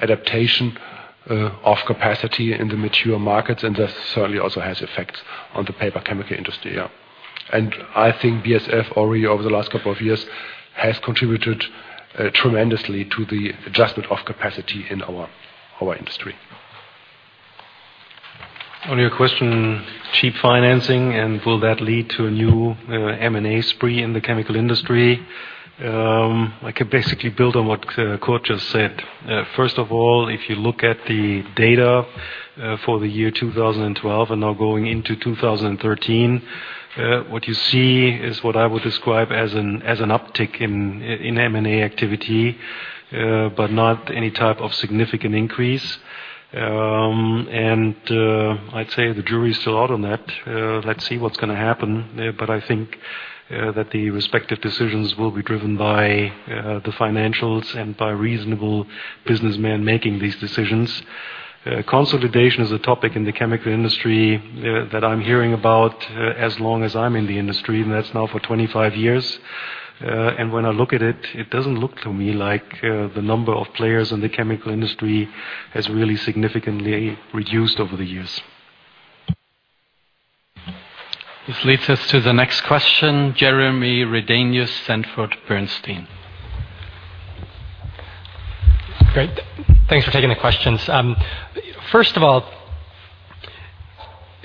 adaptation of capacity in the mature markets, and this certainly also has effects on the paper chemicals industry. I think BASF already over the last couple of years has contributed tremendously to the adjustment of capacity in our industry. On your question, cheap financing and will that lead to a new M&A spree in the chemical industry. I can basically build on what Kurt just said. First of all, if you look at the data for the year 2012 and now going into 2013, what you see is what I would describe as an uptick in M&A activity, but not any type of significant increase. I'd say the jury is still out on that. Let's see what's gonna happen. I think that the respective decisions will be driven by the financials and by reasonable businessmen making these decisions. Consolidation is a topic in the chemical industry that I'm hearing about as long as I'm in the industry, and that's now for 25 years. When I look at it doesn't look to me like the number of players in the chemical industry has really significantly reduced over the years. This leads us to the next question, Jeremy Redenius, Sanford C. Bernstein. Great. Thanks for taking the questions. First of all,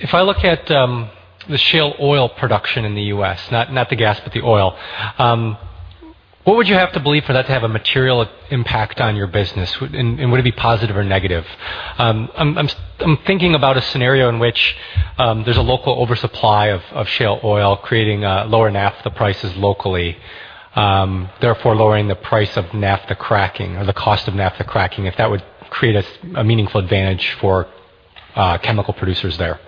if I look at the shale oil production in the U.S., not the gas, but the oil, what would you have to believe for that to have a material impact on your business, and would it be positive or negative? I'm thinking about a scenario in which there's a local oversupply of shale oil creating lower naphtha prices locally, therefore lowering the price of naphtha cracking or the cost of naphtha cracking, if that would create a meaningful advantage for chemical producers there.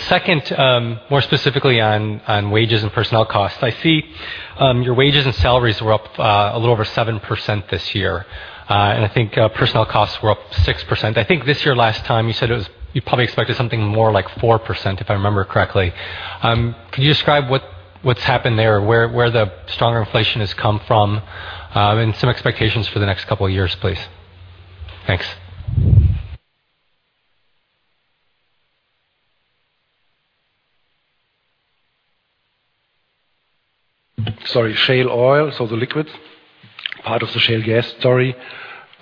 Second, more specifically on wages and personnel costs. I see your wages and salaries were up a little over 7% this year. I think personnel costs were up 6%. I think this year last time you said you probably expected something more like 4%, if I remember correctly. Could you describe what's happened there, where the stronger inflation has come from, and some expectations for the next couple of years, please? Thanks. Sorry, shale oil, so the liquids, part of the shale gas story.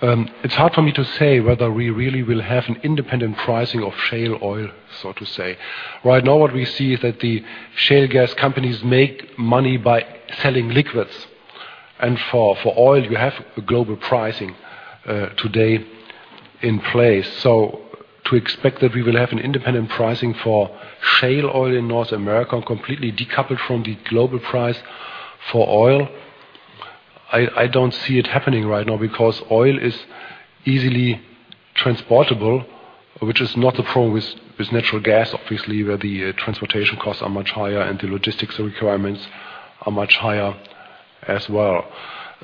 It's hard for me to say whether we really will have an independent pricing of shale oil, so to say. Right now what we see is that the shale gas companies make money by selling liquids. For oil, you have a global pricing today in place. To expect that we will have an independent pricing for shale oil in North America completely decoupled from the global price for oil, I don't see it happening right now because oil is easily transportable, which is not the problem with natural gas, obviously, where the transportation costs are much higher and the logistics requirements are much higher as well.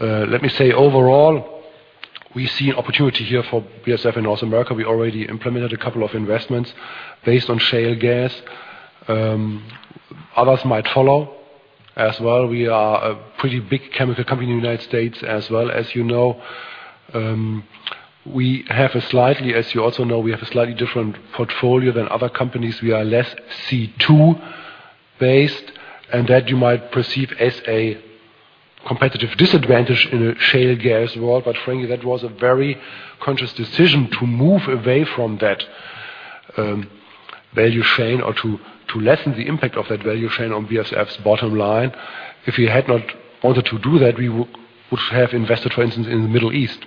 Let me say overall, we see an opportunity here for BASF in North America. We already implemented a couple of investments based on shale gas. Others might follow as well. We are a pretty big chemical company in the United States as well. As you know, as you also know, we have a slightly different portfolio than other companies. We are less C2-based, and that you might perceive as a competitive disadvantage in a shale gas world. Frankly, that was a very conscious decision to move away from that value chain or to lessen the impact of that value chain on BASF's bottom line. If we had not wanted to do that, we would have invested, for instance, in the Middle East,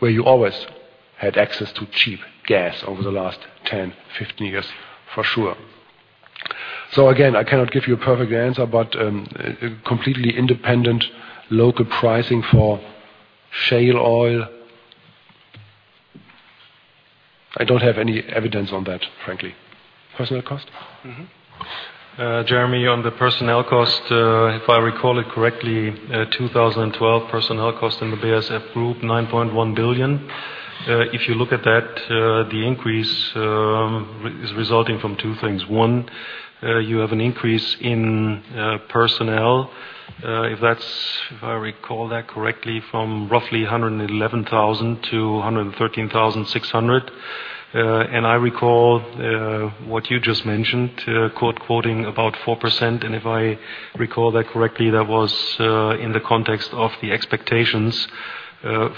where you always had access to cheap gas over the last 10, 15 years, for sure. Again, I cannot give you a perfect answer, but a completely independent local pricing for shale oil. I don't have any evidence on that, frankly. Personnel cost? Jeremy, on the personnel cost, if I recall it correctly, 2012 personnel cost in the BASF Group, 9.1 billion. If you look at that, the increase is resulting from two things. One, you have an increase in personnel, if I recall that correctly, from roughly 111,000 to 113,600. I recall what you just mentioned, Kurt quoting about 4%. If I recall that correctly, that was in the context of the expectations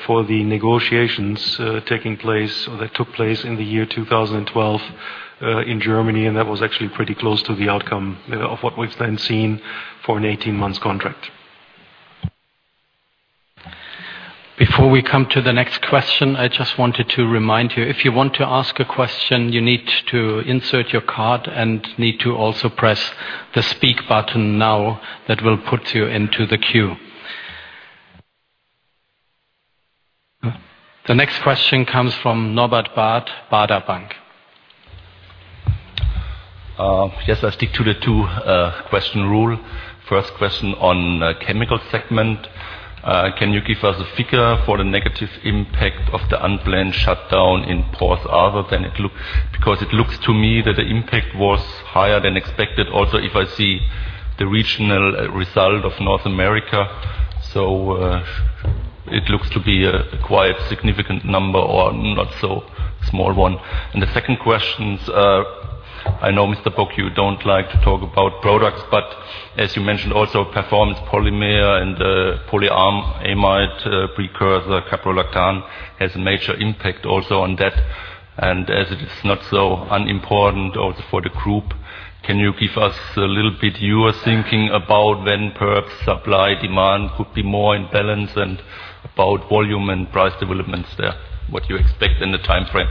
for the negotiations taking place or that took place in the year 2012 in Germany. That was actually pretty close to the outcome of what we've then seen for an 18-month contract. Before we come to the next question, I just wanted to remind you, if you want to ask a question, you need to insert your card and need to also press the Speak button now that will put you into the queue. The next question comes from Norbert Barth, Baader Bank. Yes, I'll stick to the two question rule. First question on chemical segment. Can you give us a figure for the negative impact of the unplanned shutdown in Port Arthur, and it looks? Because it looks to me that the impact was higher than expected. Also, if I see the regional result of North America, it looks to be a quite significant number or not so small one. The second question is, I know, Mr. Bock, you don't like to talk about products, but as you mentioned also, Performance Polymers and polyamide precursor caprolactam has a major impact also on that. As it is not so unimportant or for the group, can you give us a little bit your thinking about when perhaps supply-demand could be more in balance and about volume and price developments there, what you expect and the timeframe?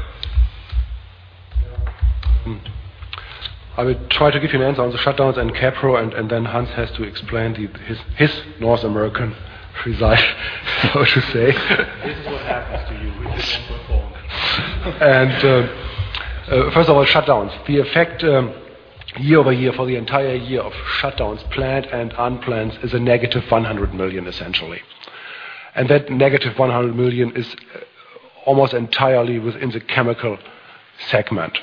I will try to give you an answer on the shutdowns and Caprolactam, and then Hans has to explain his North American result, so to say. This is what happens to you when you don't perform. First of all, shutdowns. The effect year-over-year for the entire year of shutdowns, planned and unplanned, is a negative 100 million essentially. That negative 100 million is almost entirely within the Chemicals segment.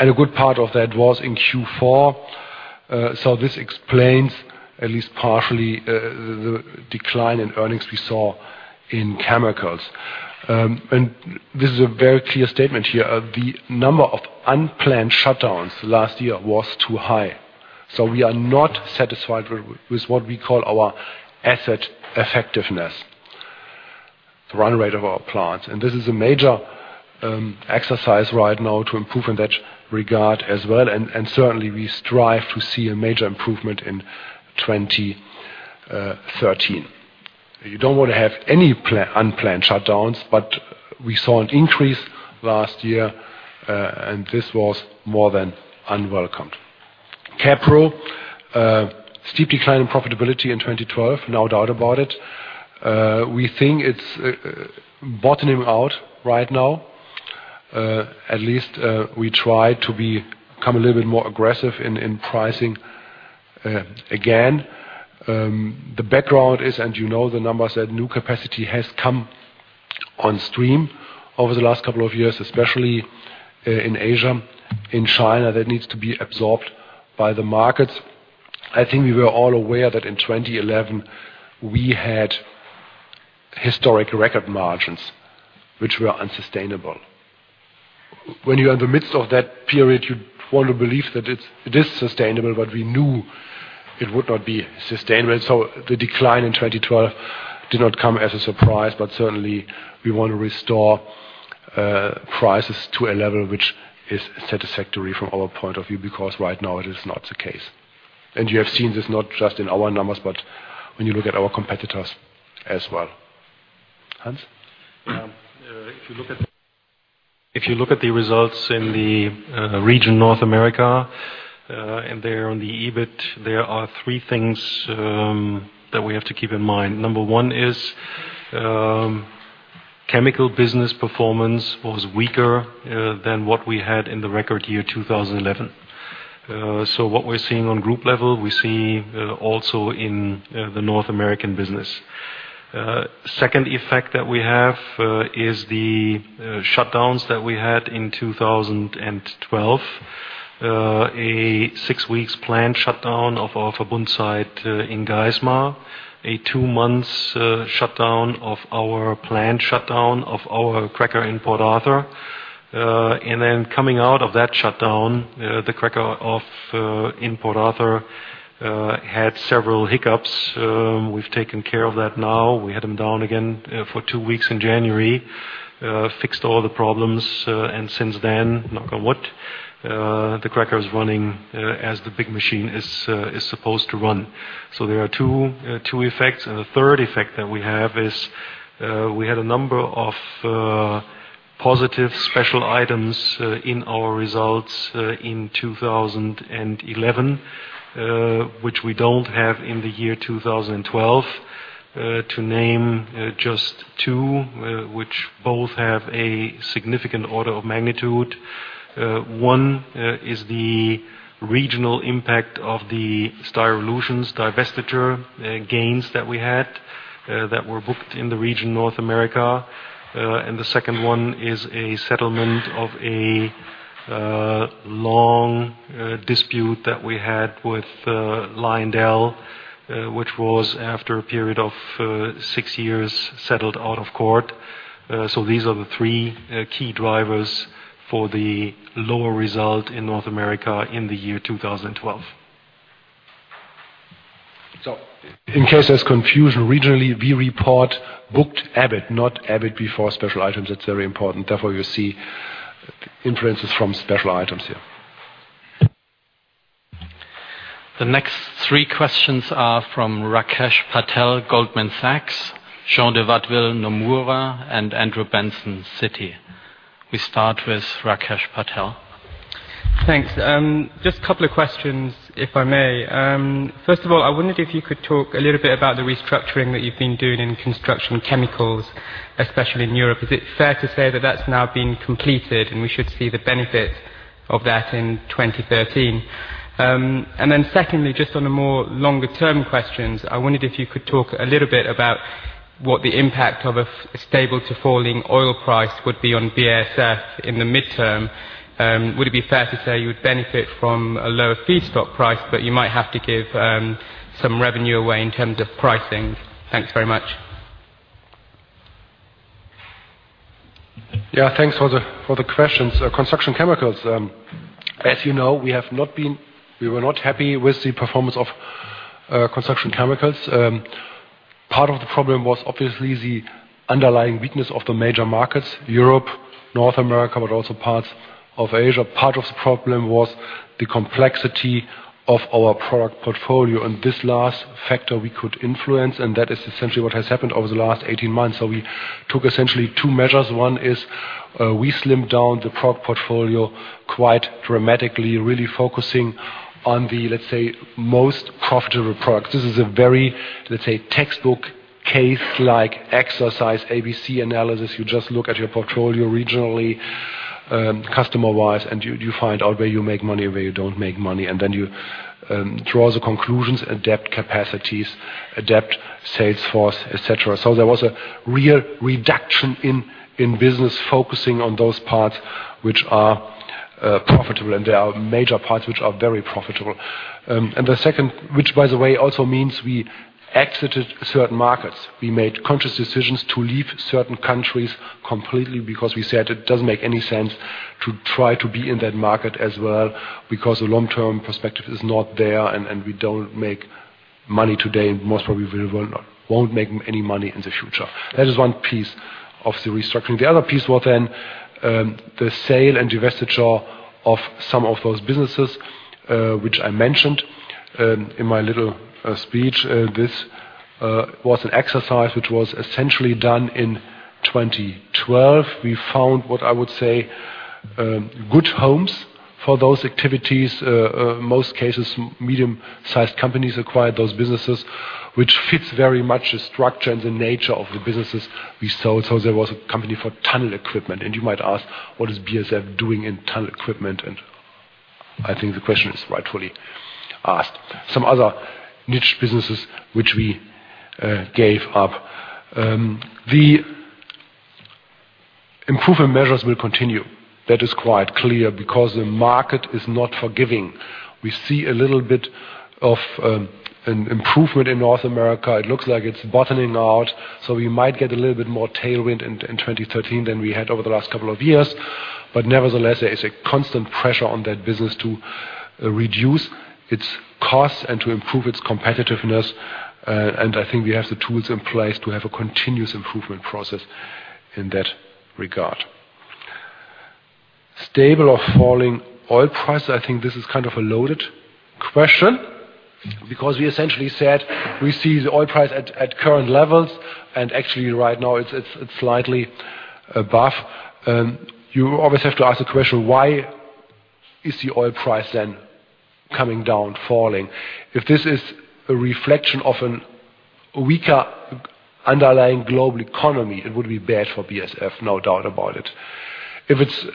A good part of that was in Q4, so this explains at least partially the decline in earnings we saw in Chemicals. This is a very clear statement here. The number of unplanned shutdowns last year was too high. We are not satisfied with what we call our asset effectiveness, the run rate of our plants. This is a major exercise right now to improve in that regard as well, and certainly we strive to see a major improvement in 2013. You don't want to have any planned-unplanned shutdowns, but we saw an increase last year, and this was more than unwelcome. Caprolactam, steep decline in profitability in 2012, no doubt about it. We think it's bottoming out right now. At least, we try to become a little bit more aggressive in pricing. Again, the background is, and you know the numbers, that new capacity has come on stream over the last couple of years, especially in Asia, in China, that needs to be absorbed by the markets. I think we were all aware that in 2011 we had historic record margins which were unsustainable. When you are in the midst of that period, you want to believe that it is sustainable, but we knew it would not be sustainable. The decline in 2012 did not come as a surprise, but certainly we want to restore prices to a level which is satisfactory from our point of view, because right now it is not the case. You have seen this not just in our numbers, but when you look at our competitors as well. Hans? If you look at the results in the region North America and there on the EBIT, there are three things that we have to keep in mind. Number one is chemical business performance was weaker than what we had in the record year 2011. What we're seeing on group level, we see also in the North American business. Second effect that we have is the shutdowns that we had in 2012. A six weeks planned shutdown of our Verbund site in Geismar. A two months planned shutdown of our cracker in Port Arthur. Then coming out of that shutdown, the cracker in Port Arthur had several hiccups. We've taken care of that now. We had them down again for two weeks in January. Fixed all the problems, and since then, knock on wood, the cracker is running as the big machine is supposed to run. There are two effects. The third effect that we have is we had a number of positive special items in our results in 2011 which we don't have in the year 2012. To name just two which both have a significant order of magnitude. One is the regional impact of the Styrolution divestiture gains that we had that were booked in the region North America. The second one is a settlement of a long dispute that we had with LyondellBasell, which was after a period of six years settled out of court. These are the three key drivers for the lower result in North America in the year 2012. In case there's confusion, regionally, we report booked EBIT, not EBIT before special items. That's very important. Therefore, you see influences from special items here. The next three questions are from Rakesh Patel, Goldman Sachs, Jean-Baptiste de Watteville, Nomura, and Andrew Benson, Citi. We start with Rakesh Patel. Thanks. Just a couple of questions, if I may. First of all, I wondered if you could talk a little bit about the restructuring that you've been doing in Construction Chemicals, especially in Europe. Is it fair to say that that's now been completed, and we should see the benefit of that in 2013? And then secondly, just on a more longer-term question, I wondered if you could talk a little bit about what the impact of a stable to falling oil price would be on BASF in the midterm. Would it be fair to say you would benefit from a lower feedstock price, but you might have to give some revenue away in terms of pricing? Thanks very much. Thanks for the questions. Construction Chemicals, as you know, we were not happy with the performance of Construction Chemicals. Part of the problem was obviously the underlying weakness of the major markets, Europe, North America, but also parts of Asia. Part of the problem was the complexity of our product portfolio, and this last factor we could influence, and that is essentially what has happened over the last 18 months. We took essentially two measures. One is, we slimmed down the product portfolio quite dramatically, really focusing on the, let's say, most profitable products. This is a very, let's say, textbook case like exercise ABC analysis. You just look at your portfolio regionally, customer-wise, and you find out where you make money, where you don't make money, and then you draw the conclusions, adapt capacities, adapt sales force, et cetera. There was a real reduction in business focusing on those parts which are profitable, and there are major parts which are very profitable, and the second, which by the way, also means we exited certain markets. We made conscious decisions to leave certain countries completely because we said it doesn't make any sense to try to be in that market as well because the long-term perspective is not there, and we don't make money today, most probably we won't make any money in the future. That is one piece of the restructuring. The other piece was the sale and divestiture of some of those businesses, which I mentioned in my little speech. This was an exercise which was essentially done in 2012. We found what I would say, good homes for those activities. Most cases, medium-sized companies acquired those businesses, which fits very much the structure and the nature of the businesses we sold. There was a company for tunnel equipment, and you might ask, what is BASF doing in tunnel equipment? I think the question is rightfully asked. Some other niche businesses which we gave up. The improvement measures will continue. That is quite clear because the market is not forgiving. We see a little bit of, an improvement in North America. It looks like it's bottoming out, so we might get a little bit more tailwind in 2013 than we had over the last couple of years. Nevertheless, there is a constant pressure on that business to reduce its costs and to improve its competitiveness. I think we have the tools in place to have a continuous improvement process in that regard. Stable or falling oil price, I think this is kind of a loaded question because we essentially said we see the oil price at current levels, and actually right now it's slightly above. You always have to ask the question, why is the oil price then coming down, falling? If this is a reflection of an weaker underlying global economy, it would be bad for BASF, no doubt about it. If it's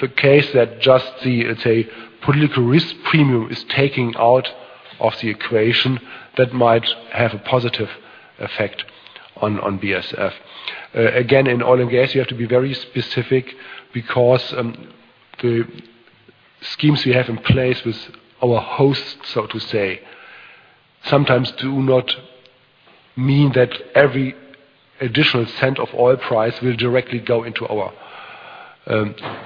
the case that just the, let's say, political risk premium is taking out of the equation, that might have a positive effect on BASF. Again, in oil and gas, you have to be very specific because the schemes we have in place with our host, so to say, sometimes do not mean that every additional cent of oil price will directly go into our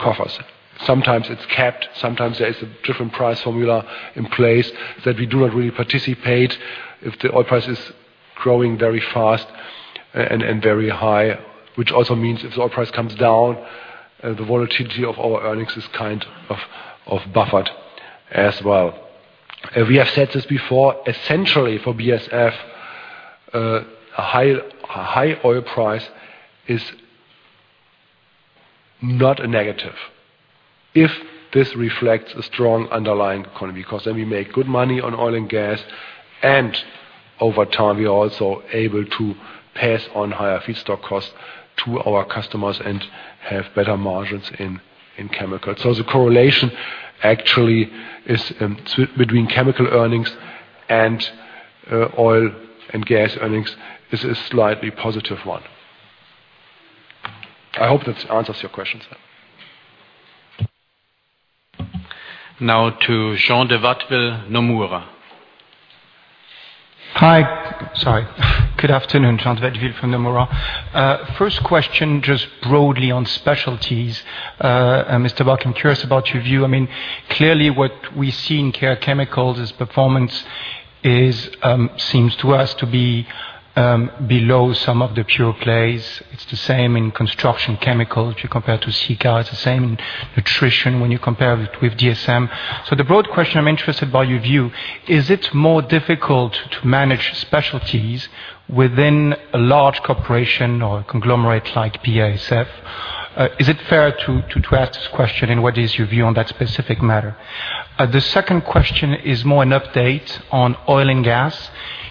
coffers. Sometimes it's capped, sometimes there is a different price formula in place that we do not really participate if the oil price is growing very fast and very high, which also means if the oil price comes down, the volatility of our earnings is kind of buffered as well. We have said this before, essentially for BASF, a high oil price is not a negative if this reflects a strong underlying economy 'cause then we make good money on oil and gas, and over time, we are also able to pass on higher feedstock costs to our customers and have better margins in chemical. The correlation actually is between chemical earnings and oil and gas earnings is a slightly positive one. I hope that answers your question, sir. Now to Jean de Watteville, Nomura. Hi. Sorry. Good afternoon. Jean de Watteville from Nomura. First question, just broadly on specialties, Mr. Bock, I'm curious about your view. I mean, clearly what we see in Care Chemicals is performance is, seems to us to be, below some of the pure plays. It's the same in Construction Chemicals. You compare to Sika, it's the same in nutrition when you compare it with DSM. The broad question I'm interested by your view, is it more difficult to manage specialties within a large corporation or a conglomerate like BASF? Is it fair to ask this question, and what is your view on that specific matter? The second question is more an update on oil and gas.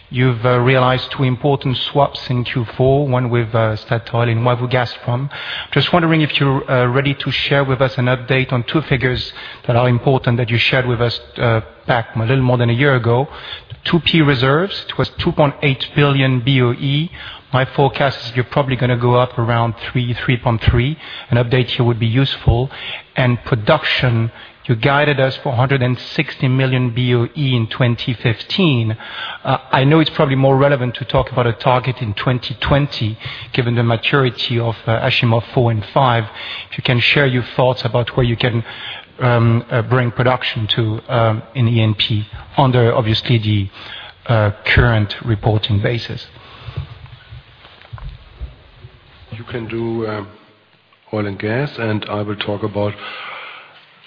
You've realized two important swaps in Q4, one with Statoil and one with Gazprom. Just wondering if you're ready to share with us an update on two figures that are important that you shared with us back a little more than a year ago. 2P reserves. It was 2.8 billion BOE. My forecast is you're probably gonna go up around 3.3. An update here would be useful. Production, you guided us for 160 million BOE in 2015. I know it's probably more relevant to talk about a target in 2020, given the maturity of Achimov 4 and 5. If you can share your thoughts about where you can bring production to in E&P under obviously the current reporting basis. You can do oil and gas, and I will talk about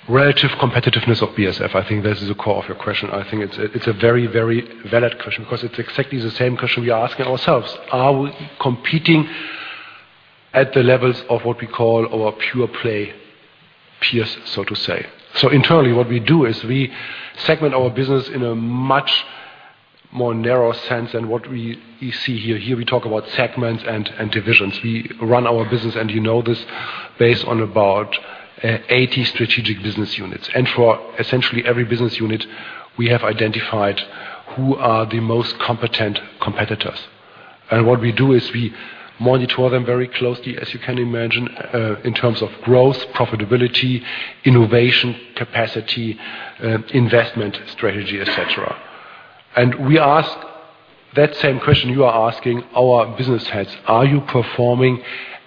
relative competitiveness of BASF. I think this is the core of your question. I think it's a very, very valid question because it's exactly the same question we are asking ourselves. Are we competing at the levels of what we call our pure play peers, so to say? Internally, what we do is we segment our business in a much more narrow sense than what we, you see here. Here, we talk about segments and divisions. We run our business, and you know this, based on about 80 strategic business units. For essentially every business unit, we have identified who are the most competent competitors. What we do is we monitor them very closely, as you can imagine, in terms of growth, profitability, innovation, capacity, investment strategy, et cetera. We ask that same question you are asking our business heads: Are you performing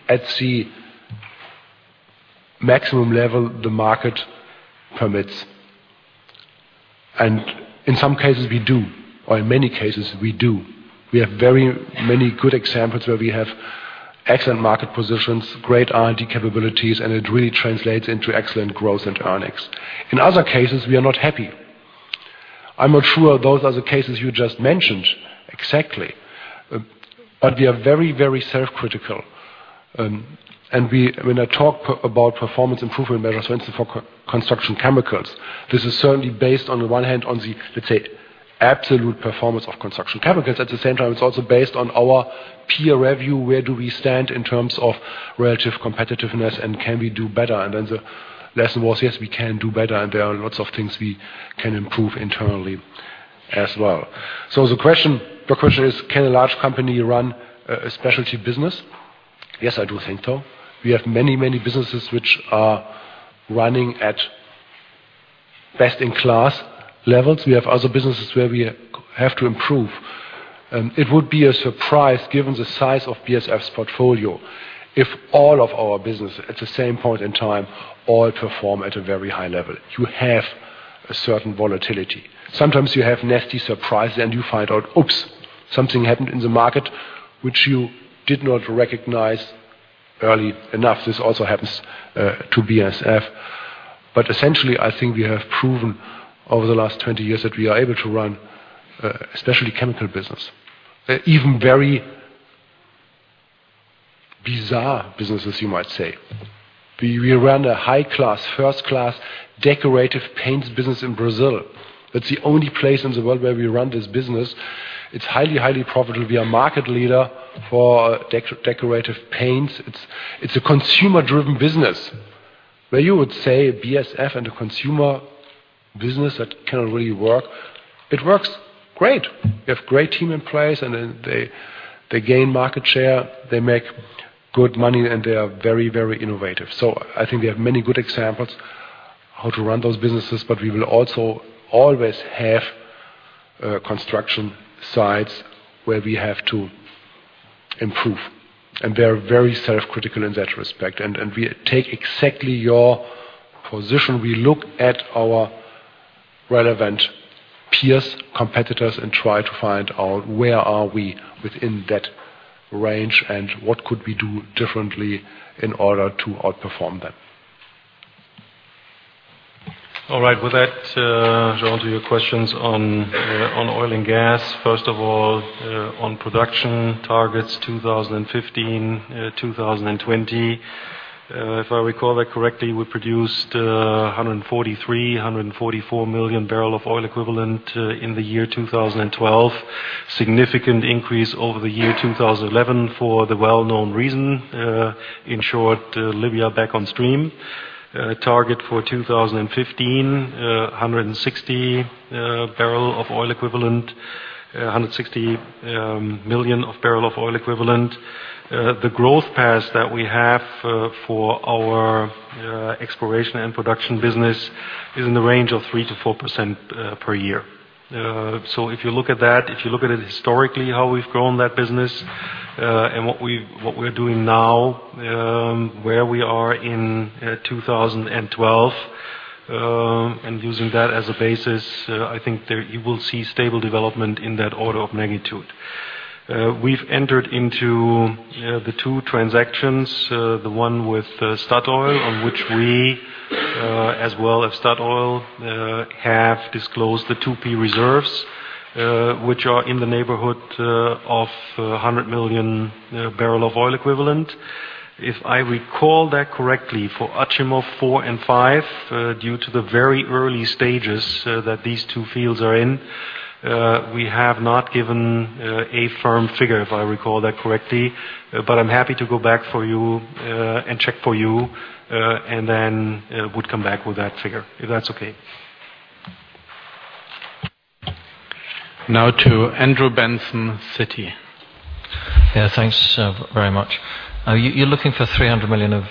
at the maximum level the market permits? In some cases, we do, or in many cases, we do. We have very many good examples where we have excellent market positions, great R&D capabilities, and it really translates into excellent growth and earnings. In other cases, we are not happy. I'm not sure those are the cases you just mentioned exactly, but we are very, very self-critical. When I talk about performance improvement measures, for instance, for Construction Chemicals, this is certainly based on the one hand on the, let's say, absolute performance of Construction Chemicals. At the same time, it's also based on our peer review, where do we stand in terms of relative competitiveness and can we do better? The lesson was, yes, we can do better, and there are lots of things we can improve internally as well. The question is, can a large company run a specialty business? Yes, I do think so. We have many, many businesses which are running at best-in-class levels. We have other businesses where we have to improve. It would be a surprise given the size of BASF's portfolio if all of our business at the same point in time all perform at a very high level. You have a certain volatility. Sometimes you have nasty surprise and you find out, oops, something happened in the market which you did not recognize early enough. This also happens to BASF. Essentially, I think we have proven over the last 20 years that we are able to run especially chemical business, even very bizarre businesses, you might say. We run a high-class, first-class decorative paints business in Brazil. That's the only place in the world where we run this business. It's highly profitable. We are market leader for decorative paints. It's a consumer-driven business. Where you would say BASF and a consumer business that can really work, it works great. We have great team in place, and then they gain market share, they make good money, and they are very innovative. I think we have many good examples how to run those businesses, but we will also always have construction sites where we have to improve, and they are very self-critical in that respect. And we take exactly your position. We look at our relevant peers, competitors, and try to find out where are we within that range and what could we do differently in order to outperform them. All right. With that, Jean, to your questions on oil and gas. First of all, on production targets 2015, 2020. If I recall that correctly, we produced 143, 144 million barrels of oil equivalent in the year 2012. Significant increase over the year 2011 for the well-known reason, in short, Libya back on stream. Target for 2015, 160 million barrels of oil equivalent. The growth path that we have for our exploration and production business is in the range of 3%-4% per year. If you look at it historically, how we've grown that business, and what we're doing now, where we are in 2012, and using that as a basis, I think there you will see stable development in that order of magnitude. We've entered into the two transactions, the one with Statoil, on which we, as well as Statoil, have disclosed the 2P reserves, which are in the neighborhood of 100 million barrels of oil equivalent. If I recall that correctly, for Achimov 4 and 5, due to the very early stages that these two fields are in, we have not given a firm figure, if I recall that correctly. I'm happy to go back for you and check for you and then would come back with that figure, if that's okay. Now to Andrew Benson, Citi. Yeah, thanks very much. You're looking for 300 million of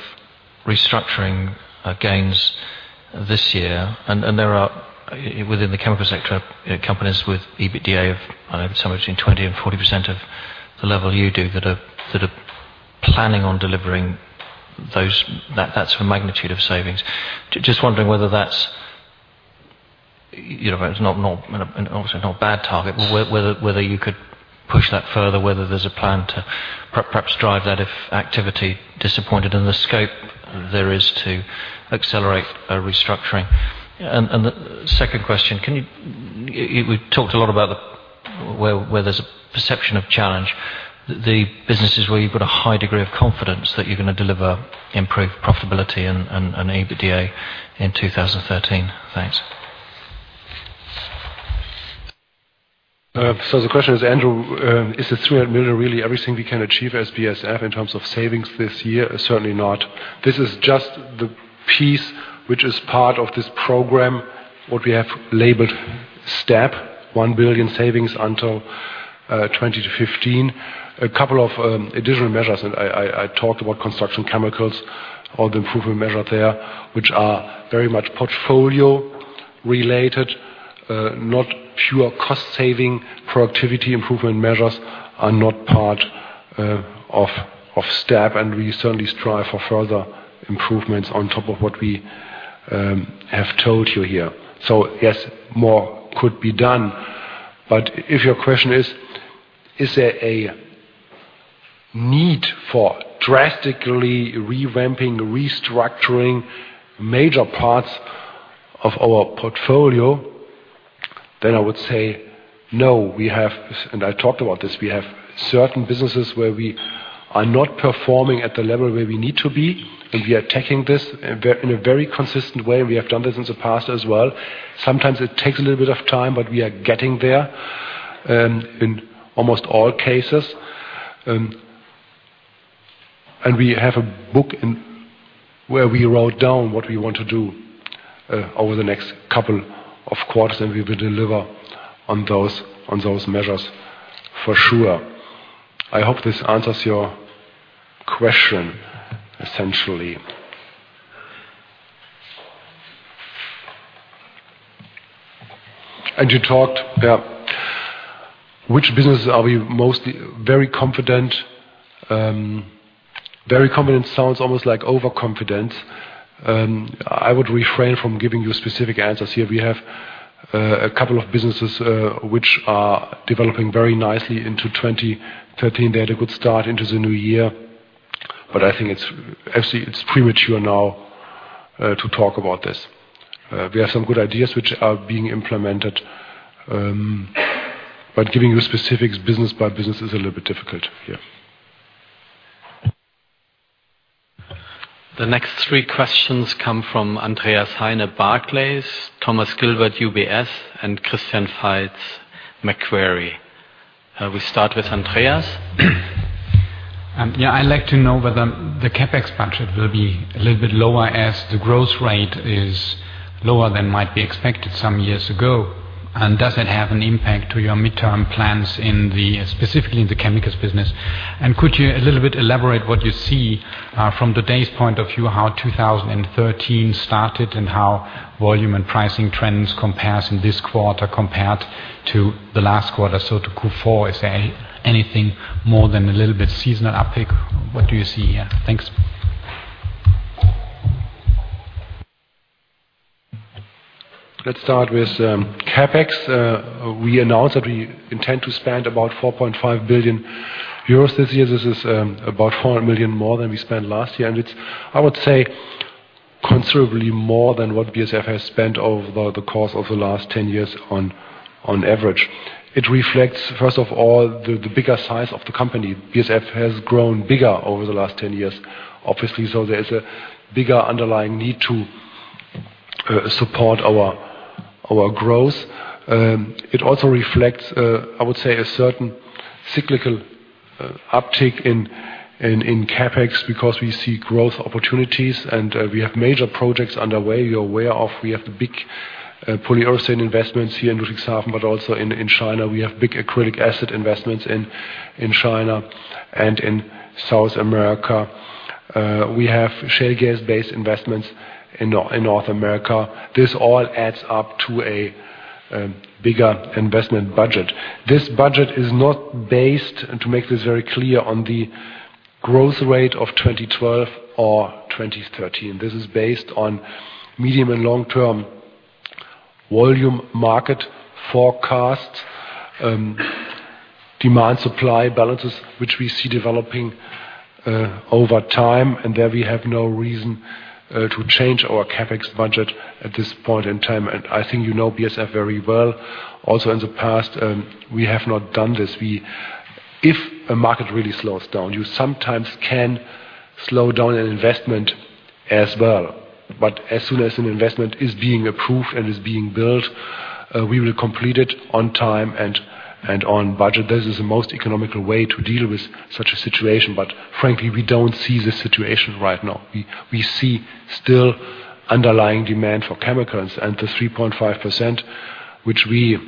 restructuring gains this year, and there are, within the chemical sector, companies with EBITDA of, I don't know, somewhere between 20%-40% of the level you do that are planning on delivering those, that's the order of magnitude of savings. Just wondering whether that's you know, it's not obviously not a bad target, but whether you could push that further, whether there's a plan to perhaps drive that if activity disappointed, in the scope there is to accelerate a restructuring. The second question, we talked a lot about where there's a perception of challenge, the businesses where you've got a high degree of confidence that you're gonna deliver improved profitability and EBITDA in 2013. Thanks. The question is, Andrew, is the 300 million really everything we can achieve as BASF in terms of savings this year? Certainly not. This is just the piece which is part of this program, what we have labeled STEP, 1 billion savings until 2015. A couple of additional measures, and I talked about Construction Chemicals, all the improvement measures there, which are very much portfolio related, not pure cost-saving productivity improvement measures are not part of STEP, and we certainly strive for further improvements on top of what we have told you here. Yes, more could be done. If your question is there a need for drastically revamping, restructuring major parts of our portfolio, then I would say no. We have, and I talked about this, we have certain businesses where we are not performing at the level where we need to be, and we are tackling this in a very consistent way, and we have done this in the past as well. Sometimes it takes a little bit of time, but we are getting there, in almost all cases. And we have a book where we wrote down what we want to do, over the next couple of quarters, and we will deliver on those measures for sure. I hope this answers your question essentially. You talked about which businesses are we mostly very confident. Very confident sounds almost like overconfident. I would refrain from giving you specific answers here. We have, a couple of businesses, which are developing very nicely into 2013. They had a good start into the new year, but I think it's actually premature now to talk about this. We have some good ideas which are being implemented, but giving you specifics business by business is a little bit difficult here. The next three questions come from Andreas Heine, Barclays, Thomas Gilbert, UBS, and Christian Faitz, Macquarie. We start with Andreas. Yeah, I'd like to know whether the CapEx budget will be a little bit lower as the growth rate is lower than might be expected some years ago. Does it have an impact to your midterm plans in the, specifically in the chemicals business? Could you a little bit elaborate what you see from today's point of view, how 2013 started and how volume and pricing trends compares in this quarter compared to the last quarter, so to Q4? Is there anything more than a little bit seasonal uptick? What do you see here? Thanks. Let's start with CapEx. We announced that we intend to spend about 4.5 billion euros this year. This is about 400 million more than we spent last year, and it's, I would say, considerably more than what BASF has spent over the course of the last 10 years on average. It reflects, first of all, the bigger size of the company. BASF has grown bigger over the last 10 years, obviously, so there's a bigger underlying need to support our growth. It also reflects, I would say, a certain cyclical uptick in CapEx because we see growth opportunities and we have major projects underway. You're aware of we have the big polyurethane investments here in Ludwigshafen, but also in China. We have big acrylic acid investments in China and in South America. We have shale gas-based investments in North America. This all adds up to a bigger investment budget. This budget is not based, and to make this very clear, on the growth rate of 2012 or 2013. This is based on medium- and long-term volume market forecasts, demand-supply balances, which we see developing over time, and there we have no reason to change our CapEx budget at this point in time. I think you know BASF very well. Also, in the past, we have not done this. If a market really slows down, you sometimes can slow down an investment as well. As soon as an investment is being approved and is being built, we will complete it on time and on budget. This is the most economical way to deal with such a situation. Frankly, we don't see this situation right now. We see still underlying demand for chemicals, and the 3.5% which we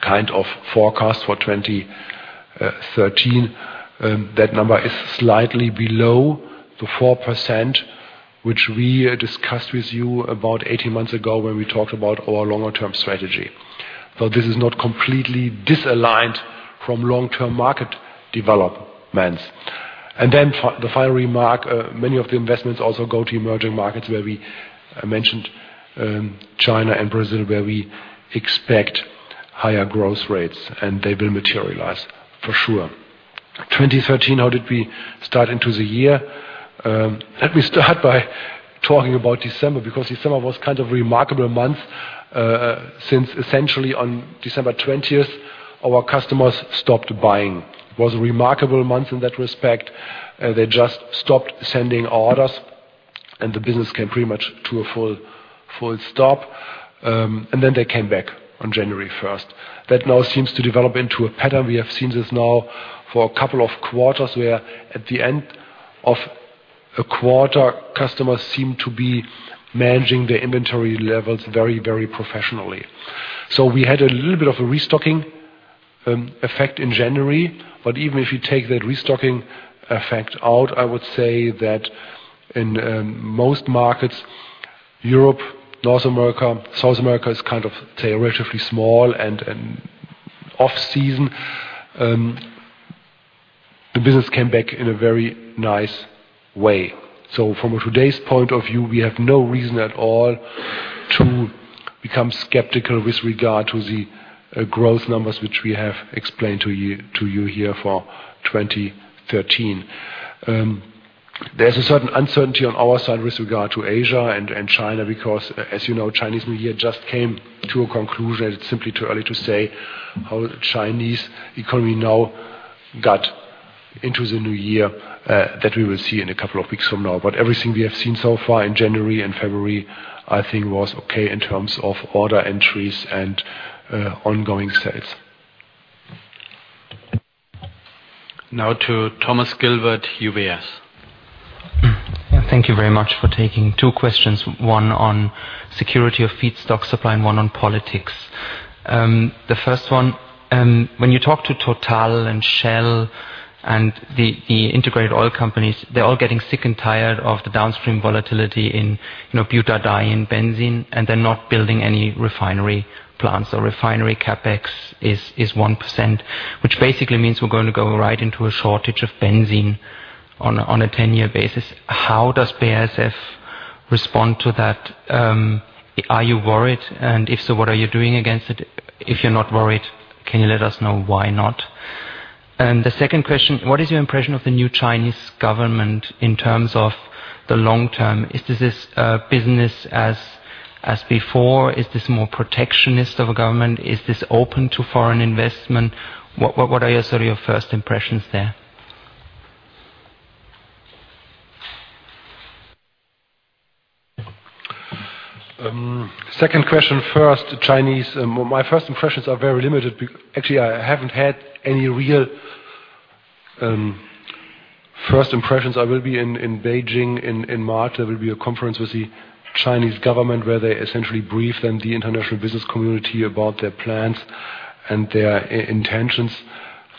kind of forecast for 2013. That number is slightly below the 4% which we discussed with you about 18 months ago when we talked about our longer term strategy. This is not completely disaligned from long-term market developments. For the final remark, many of the investments also go to emerging markets where I mentioned China and Brazil, where we expect higher growth rates, and they will materialize for sure. 2013, how did we start into the year? Let me start by talking about December, because December was kind of remarkable month, since essentially on December 20 our customers stopped buying. was a remarkable month in that respect. They just stopped sending orders and the business came pretty much to a full stop. Then they came back on January first. That now seems to develop into a pattern. We have seen this now for a couple of quarters where at the end of a quarter, customers seem to be managing their inventory levels very professionally. We had a little bit of a restocking effect in January. Even if you take that restocking effect out, I would say that in most markets, Europe, North America, South America is kind of, say, relatively small and off season, the business came back in a very nice way. From today's point of view, we have no reason at all to become skeptical with regard to the growth numbers which we have explained to you here for 2013. There's a certain uncertainty on our side with regard to Asia and China, because as you know, Chinese New Year just came to a conclusion. It's simply too early to say how the Chinese economy now got into the new year that we will see in a couple of weeks from now. Everything we have seen so far in January and February, I think was okay in terms of order entries and ongoing sales. Now to Thomas Gilbert, UBS. Thank you very much for taking two questions, one on security of feedstock supply and 1 on politics. The first one, when you talk to Total and Shell and the integrated oil companies, they're all getting sick and tired of the downstream volatility in butadiene, benzene, and they're not building any refinery plants or refinery CapEx is 1%, which basically means we're going to go right into a shortage of benzene on a 10-year basis. How does BASF respond to that? Are you worried? And if so, what are you doing against it? If you're not worried, can you let us know why not? The second question, what is your impression of the new Chinese government in terms of the long term? Is this business as before? Is this more protectionist of a government? Is this open to foreign investment? What are your sort of first impressions there? Second question first. China's my first impressions are very limited. Actually, I haven't had any real first impressions. I will be in Beijing in March. There will be a conference with the Chinese government where they essentially brief the international business community about their plans and their intentions.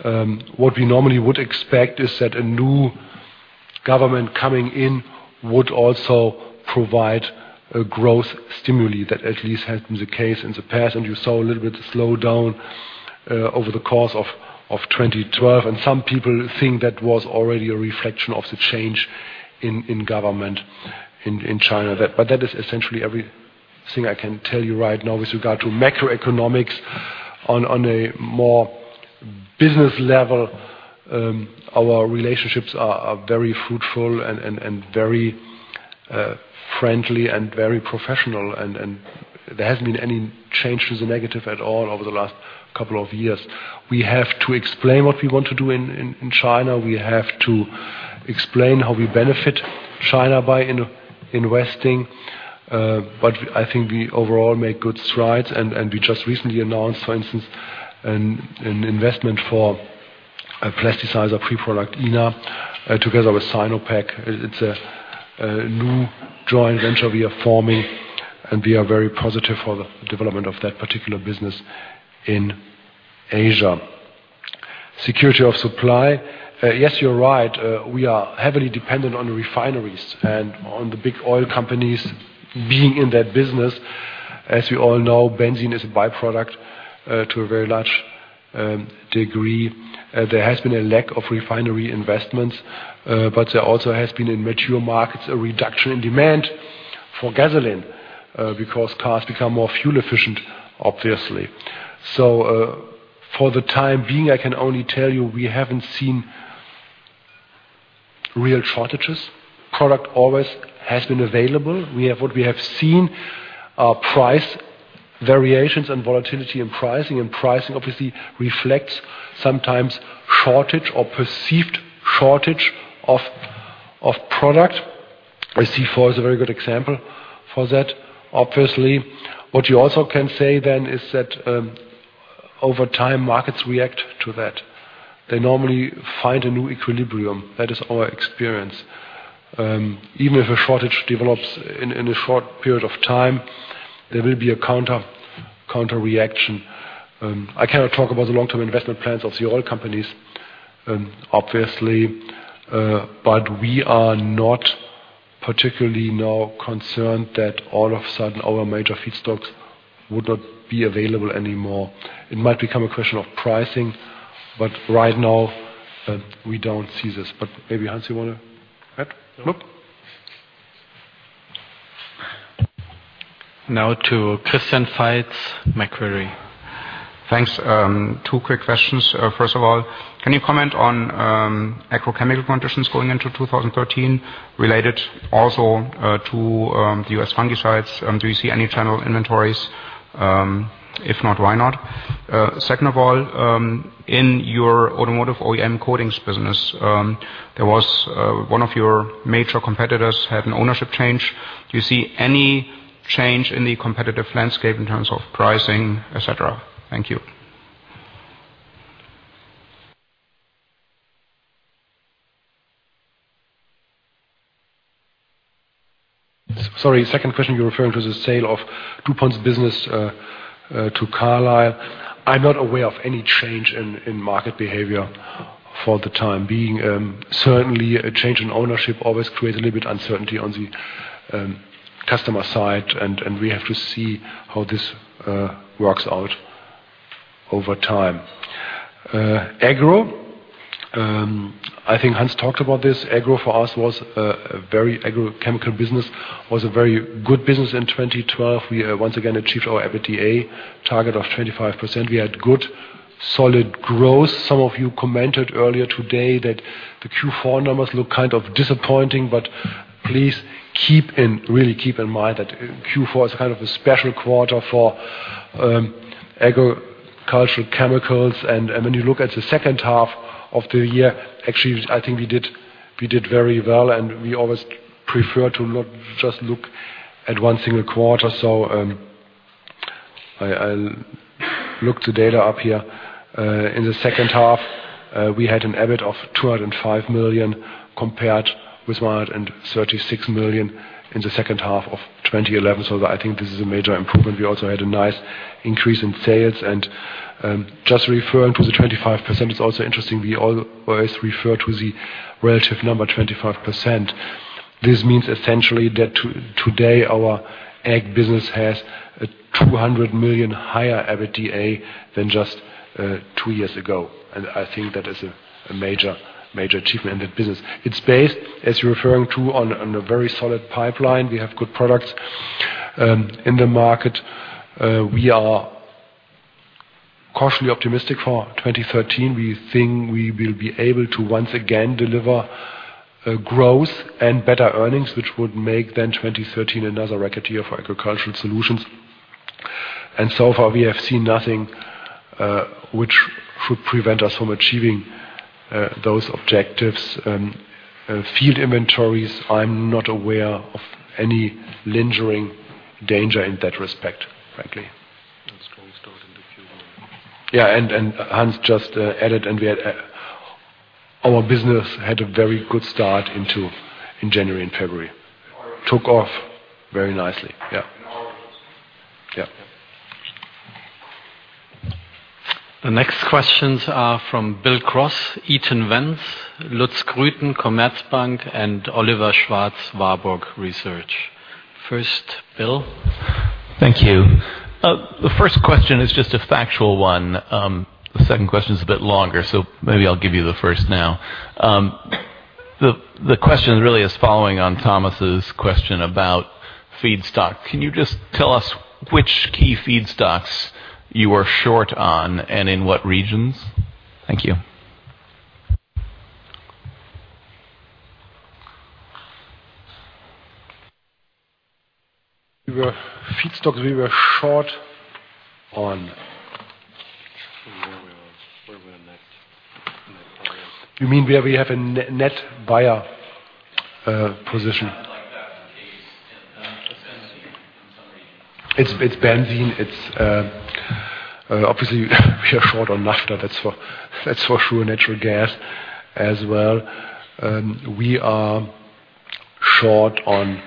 What we normally would expect is that a new government coming in would also provide a growth stimuli. That at least has been the case in the past. You saw a little bit of slowdown over the course of 2012, and some people think that was already a reflection of the change in government in China. That is essentially everything I can tell you right now with regard to macroeconomics on a more business level. Our relationships are very fruitful and very friendly and very professional. There hasn't been any change to the negative at all over the last couple of years. We have to explain what we want to do in China. We have to explain how we benefit China by investing. I think we overall make good strides. We just recently announced, for instance, an investment for a plasticizer pre-product, INA, together with Sinopec. It's a new joint venture we are forming, and we are very positive for the development of that particular business in Asia. Security of supply. Yes, you're right. We are heavily dependent on refineries and on the big oil companies being in that business. As you all know, benzene is a byproduct to a very large degree. There has been a lack of refinery investments, but there also has been in mature markets a reduction in demand for gasoline, because cars become more fuel efficient, obviously. For the time being, I can only tell you we haven't seen real shortages. Product always has been available. What we have seen are price variations and volatility in pricing, and pricing obviously reflects sometimes shortage or perceived shortage of product. C4 is a very good example for that. Obviously, what you also can say then is that, over time markets react to that. They normally find a new equilibrium. That is our experience. Even if a shortage develops in a short period of time, there will be a counter reaction. I cannot talk about the long-term investment plans of the oil companies, obviously. We are not particularly now concerned that all of a sudden our major feedstocks would not be available anymore. It might become a question of pricing, but right now, we don't see this. Maybe Hans, you wanna add? Nope. Now to Christian Faitz, Macquarie. Thanks. Two quick questions. First of all, can you comment on agrochemical conditions going into 2013 related also to the U.S. fungicides? Do you see any channel inventories? If not, why not? Second of all, in your automotive OEM coatings business, there was one of your major competitors had an ownership change. Do you see any change in the competitive landscape in terms of pricing, et cetera? Thank you. Sorry, second question, you're referring to the sale of DuPont's business to Carlyle. I'm not aware of any change in market behavior for the time being. Certainly a change in ownership always creates a little bit uncertainty on the customer side, and we have to see how this works out over time. Agro, I think Hans talked about this. Agro for us was a very good business in 2012. We once again achieved our EBITDA target of 25%. We had good, solid growth. Some of you commented earlier today that the Q4 numbers look kind of disappointing, but please really keep in mind that Q4 is kind of a special quarter for agricultural chemicals. When you look at the second half of the year, actually, I think we did very well, and we always prefer to not just look at one single quarter. I'll look the data up here. In the second half, we had an EBIT of 205 million compared with 136 million in the second half of 2011. I think this is a major improvement. We also had a nice increase in sales. Just referring to the 25%, it's also interesting we always refer to the relative number, 25%. This means essentially that today our ag business has a 200 million higher EBITDA than just two years ago. I think that is a major achievement in the business. It's based, as you're referring to, on a very solid pipeline. We have good products in the market. We are cautiously optimistic for 2013. We think we will be able to once again deliver growth and better earnings, which would make then 2013 another record year for Agricultural Solutions. So far, we have seen nothing which should prevent us from achieving those objectives. Field inventories, I'm not aware of any lingering danger in that respect, frankly. A strong start in the Q1. Hans just added, and our business had a very good start in January and February. Took off very nicely. Yeah. The next questions are from Bill Cross, Eaton Vance, Lutz Grüten, Commerzbank, and Oliver Schwarz, Warburg Research. First, Bill. Thank you. The first question is just a factual one. The second question is a bit longer, so maybe I'll give you the first now. The question really is following on Thomas's question about feedstock. Can you just tell us which key feedstocks you are short on and in what regions? Thank you. Feedstocks we were short on. Where are we on net volume? You mean where we have a net buyer position? Yeah, like that is the case in benzene in some regions. It's benzene. It's obviously we are short on naphtha, that's for sure, natural gas as well. We are short on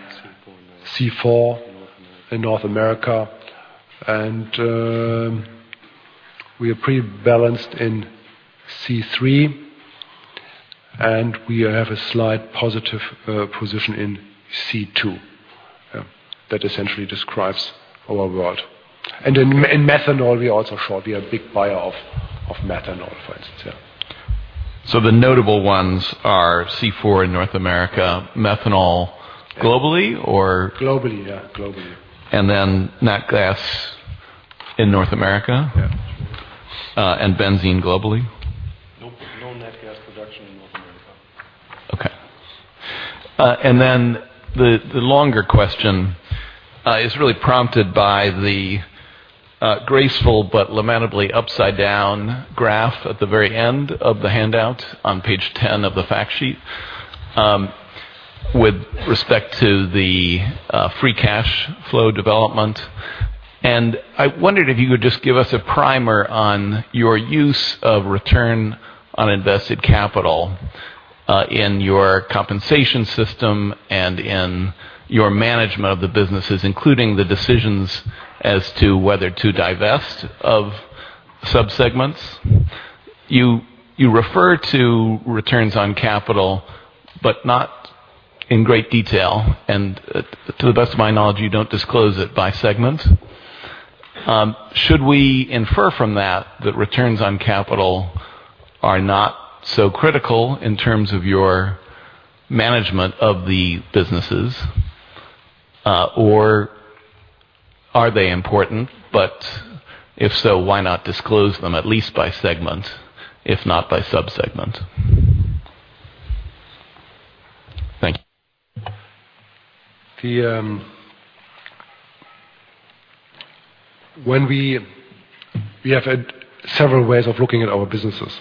C4 in North America, and we are pretty balanced in C3, and we have a slight positive position in C2. Yeah. That essentially describes our world. In methanol, we are also short. We are a big buyer of methanol for instance. Yeah. The notable ones are C4 in North America, methanol globally or- Globally. Yeah. Globally. Nat gas in North America? Yeah. Benzene globally? No, no nat gas production in North America. Okay. The longer question is really prompted by the graceful but lamentably upside-down graph at the very end of the handout on page 10 of the fact sheet. With respect to the free cash flow development. I wondered if you could just give us a primer on your use of return on invested capital in your compensation system and in your management of the businesses, including the decisions as to whether to divest of subsegments. You refer to returns on capital, but not in great detail, and to the best of my knowledge, you don't disclose it by segment. Should we infer from that that returns on capital are not so critical in terms of your management of the businesses? Or are they important? If so, why not disclose them at least by segment, if not by sub-segment? Thank you. We have had several ways of looking at our businesses.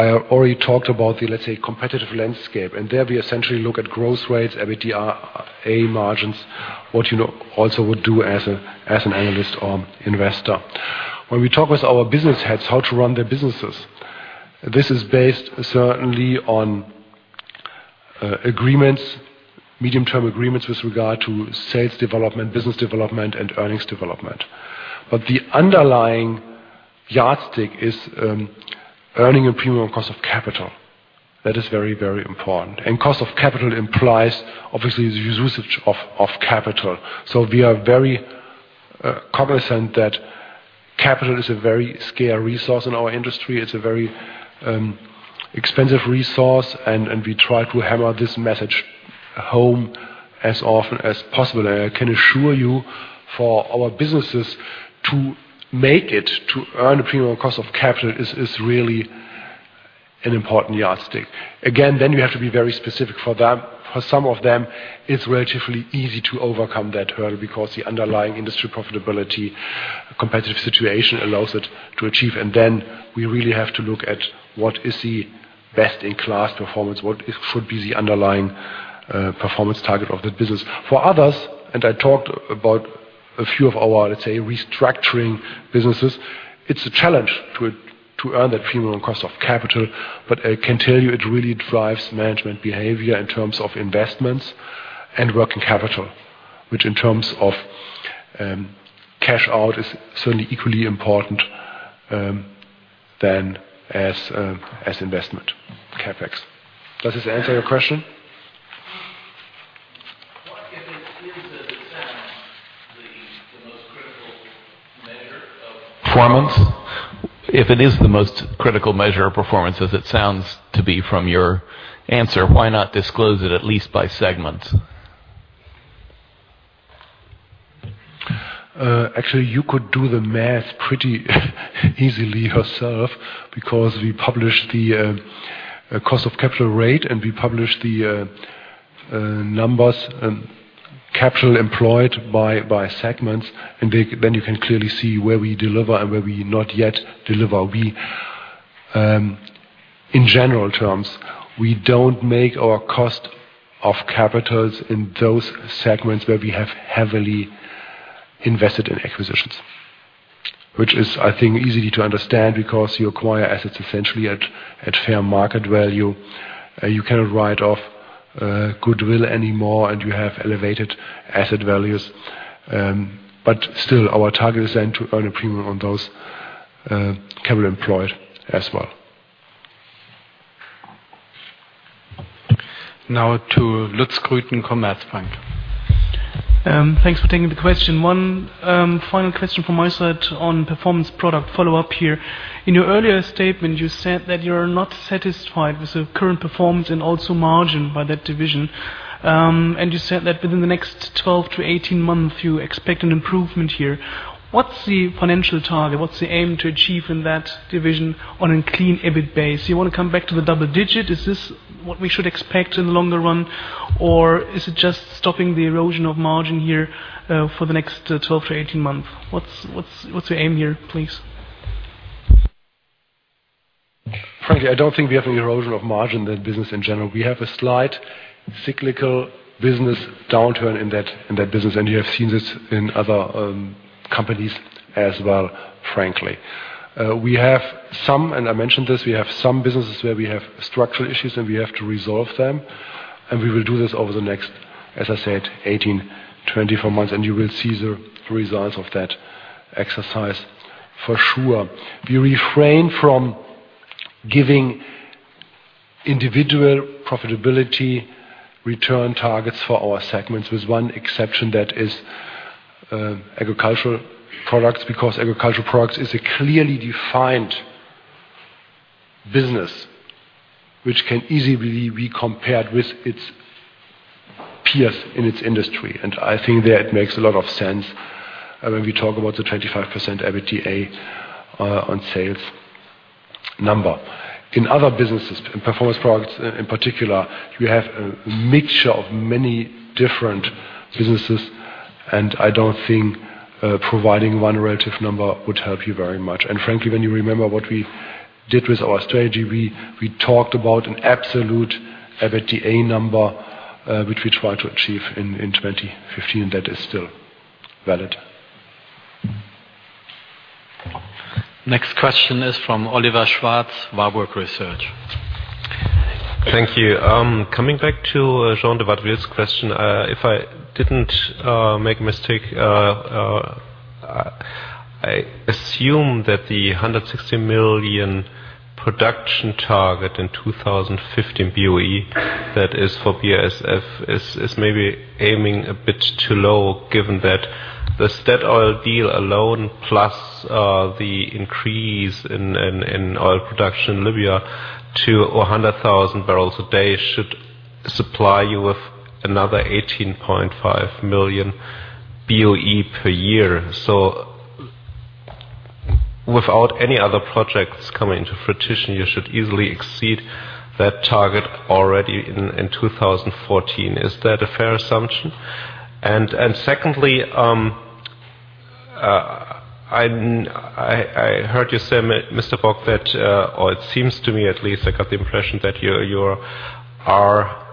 I already talked about the, let's say, competitive landscape, and there we essentially look at growth rates, EBITDA margins. What you know, also would do as a, as an analyst or investor. When we talk with our business heads how to run their businesses, this is based certainly on agreements, medium-term agreements with regard to sales development, business development, and earnings development. The underlying yardstick is earning a premium on cost of capital. That is very, very important. Cost of capital implies, obviously, the usage of capital. We are very cognizant that capital is a very scary resource in our industry. It's a very expensive resource, and we try to hammer this message home as often as possible. I can assure you, for our businesses to make it to earn a premium on cost of capital is really an important yardstick. Again, you have to be very specific for them. For some of them, it's relatively easy to overcome that hurdle because the underlying industry profitability, competitive situation allows it to achieve. We really have to look at what should be the underlying performance target of that business. For others, and I talked about a few of our, let's say, restructuring businesses, it's a challenge to earn that premium on cost of capital. I can tell you, it really drives management behavior in terms of investments and working capital, which in terms of cash out, is certainly equally important than as investment CapEx. Does this answer your question? What if it is, as it sounds, the most critical measure of performance? If it is the most critical measure of performance, as it sounds to be from your answer, why not disclose it at least by segment? Actually, you could do the math pretty easily yourself because we publish the cost of capital rate, and we publish the numbers and capital employed by segments. You can clearly see where we deliver and where we not yet deliver. We, in general terms, we don't make our cost of capitals in those segments where we have heavily invested in acquisitions. Which is, I think, easy to understand because you acquire assets essentially at fair market value. You cannot write off goodwill anymore, and you have elevated asset values. Still our target is then to earn a premium on those capital employed as well. Now to Lutz Grüten from Commerzbank. Thanks for taking the question. One final question from my side on Performance Products follow-up here. In your earlier statement, you said that you're not satisfied with the current performance and also margin by that division. And you said that within the next 12-18 months you expect an improvement here. What's the financial target? What's the aim to achieve in that division on a clean EBIT base? You wanna come back to the double digit? Is this what we should expect in the longer run, or is it just stopping the erosion of margin here for the next 12-18 months? What's the aim here, please? Frankly, I don't think we have an erosion of margin in that business in general. We have a slight cyclical business downturn in that business. You have seen this in other companies as well, frankly. We have some, and I mentioned this, we have some businesses where we have structural issues, and we have to resolve them, and we will do this over the next, as I said, 18-24 months. You will see the results of that exercise for sure. We refrain from giving individual profitability return targets for our segments, with one exception, that is, agricultural products, because agricultural products is a clearly defined business which can easily be compared with its peers in its industry. I think there it makes a lot of sense, when we talk about the 25% EBITDA on sales number. In other businesses, in Performance Products in particular, we have a mixture of many different businesses, and I don't think providing one relative number would help you very much. Frankly, when you remember what we Tied with our strategy. We talked about an absolute EBITDA number, which we try to achieve in 2015. That is still valid. Next question is from Oliver Schwarz, Warburg Research. Thank you. Coming back to Jean de Watteville's question. If I didn't make a mistake, I assume that the 160 million production target in 2015 BOE that is for BASF is maybe aiming a bit too low, given that the Statoil deal alone plus the increase in oil production in Libya to 100,000 barrels a day should supply you with another 18.5 million BOE per year. Without any other projects coming to fruition, you should easily exceed that target already in 2014. Is that a fair assumption? Secondly, I heard you say, Mr. Bock, it seems to me at least I got the impression that you are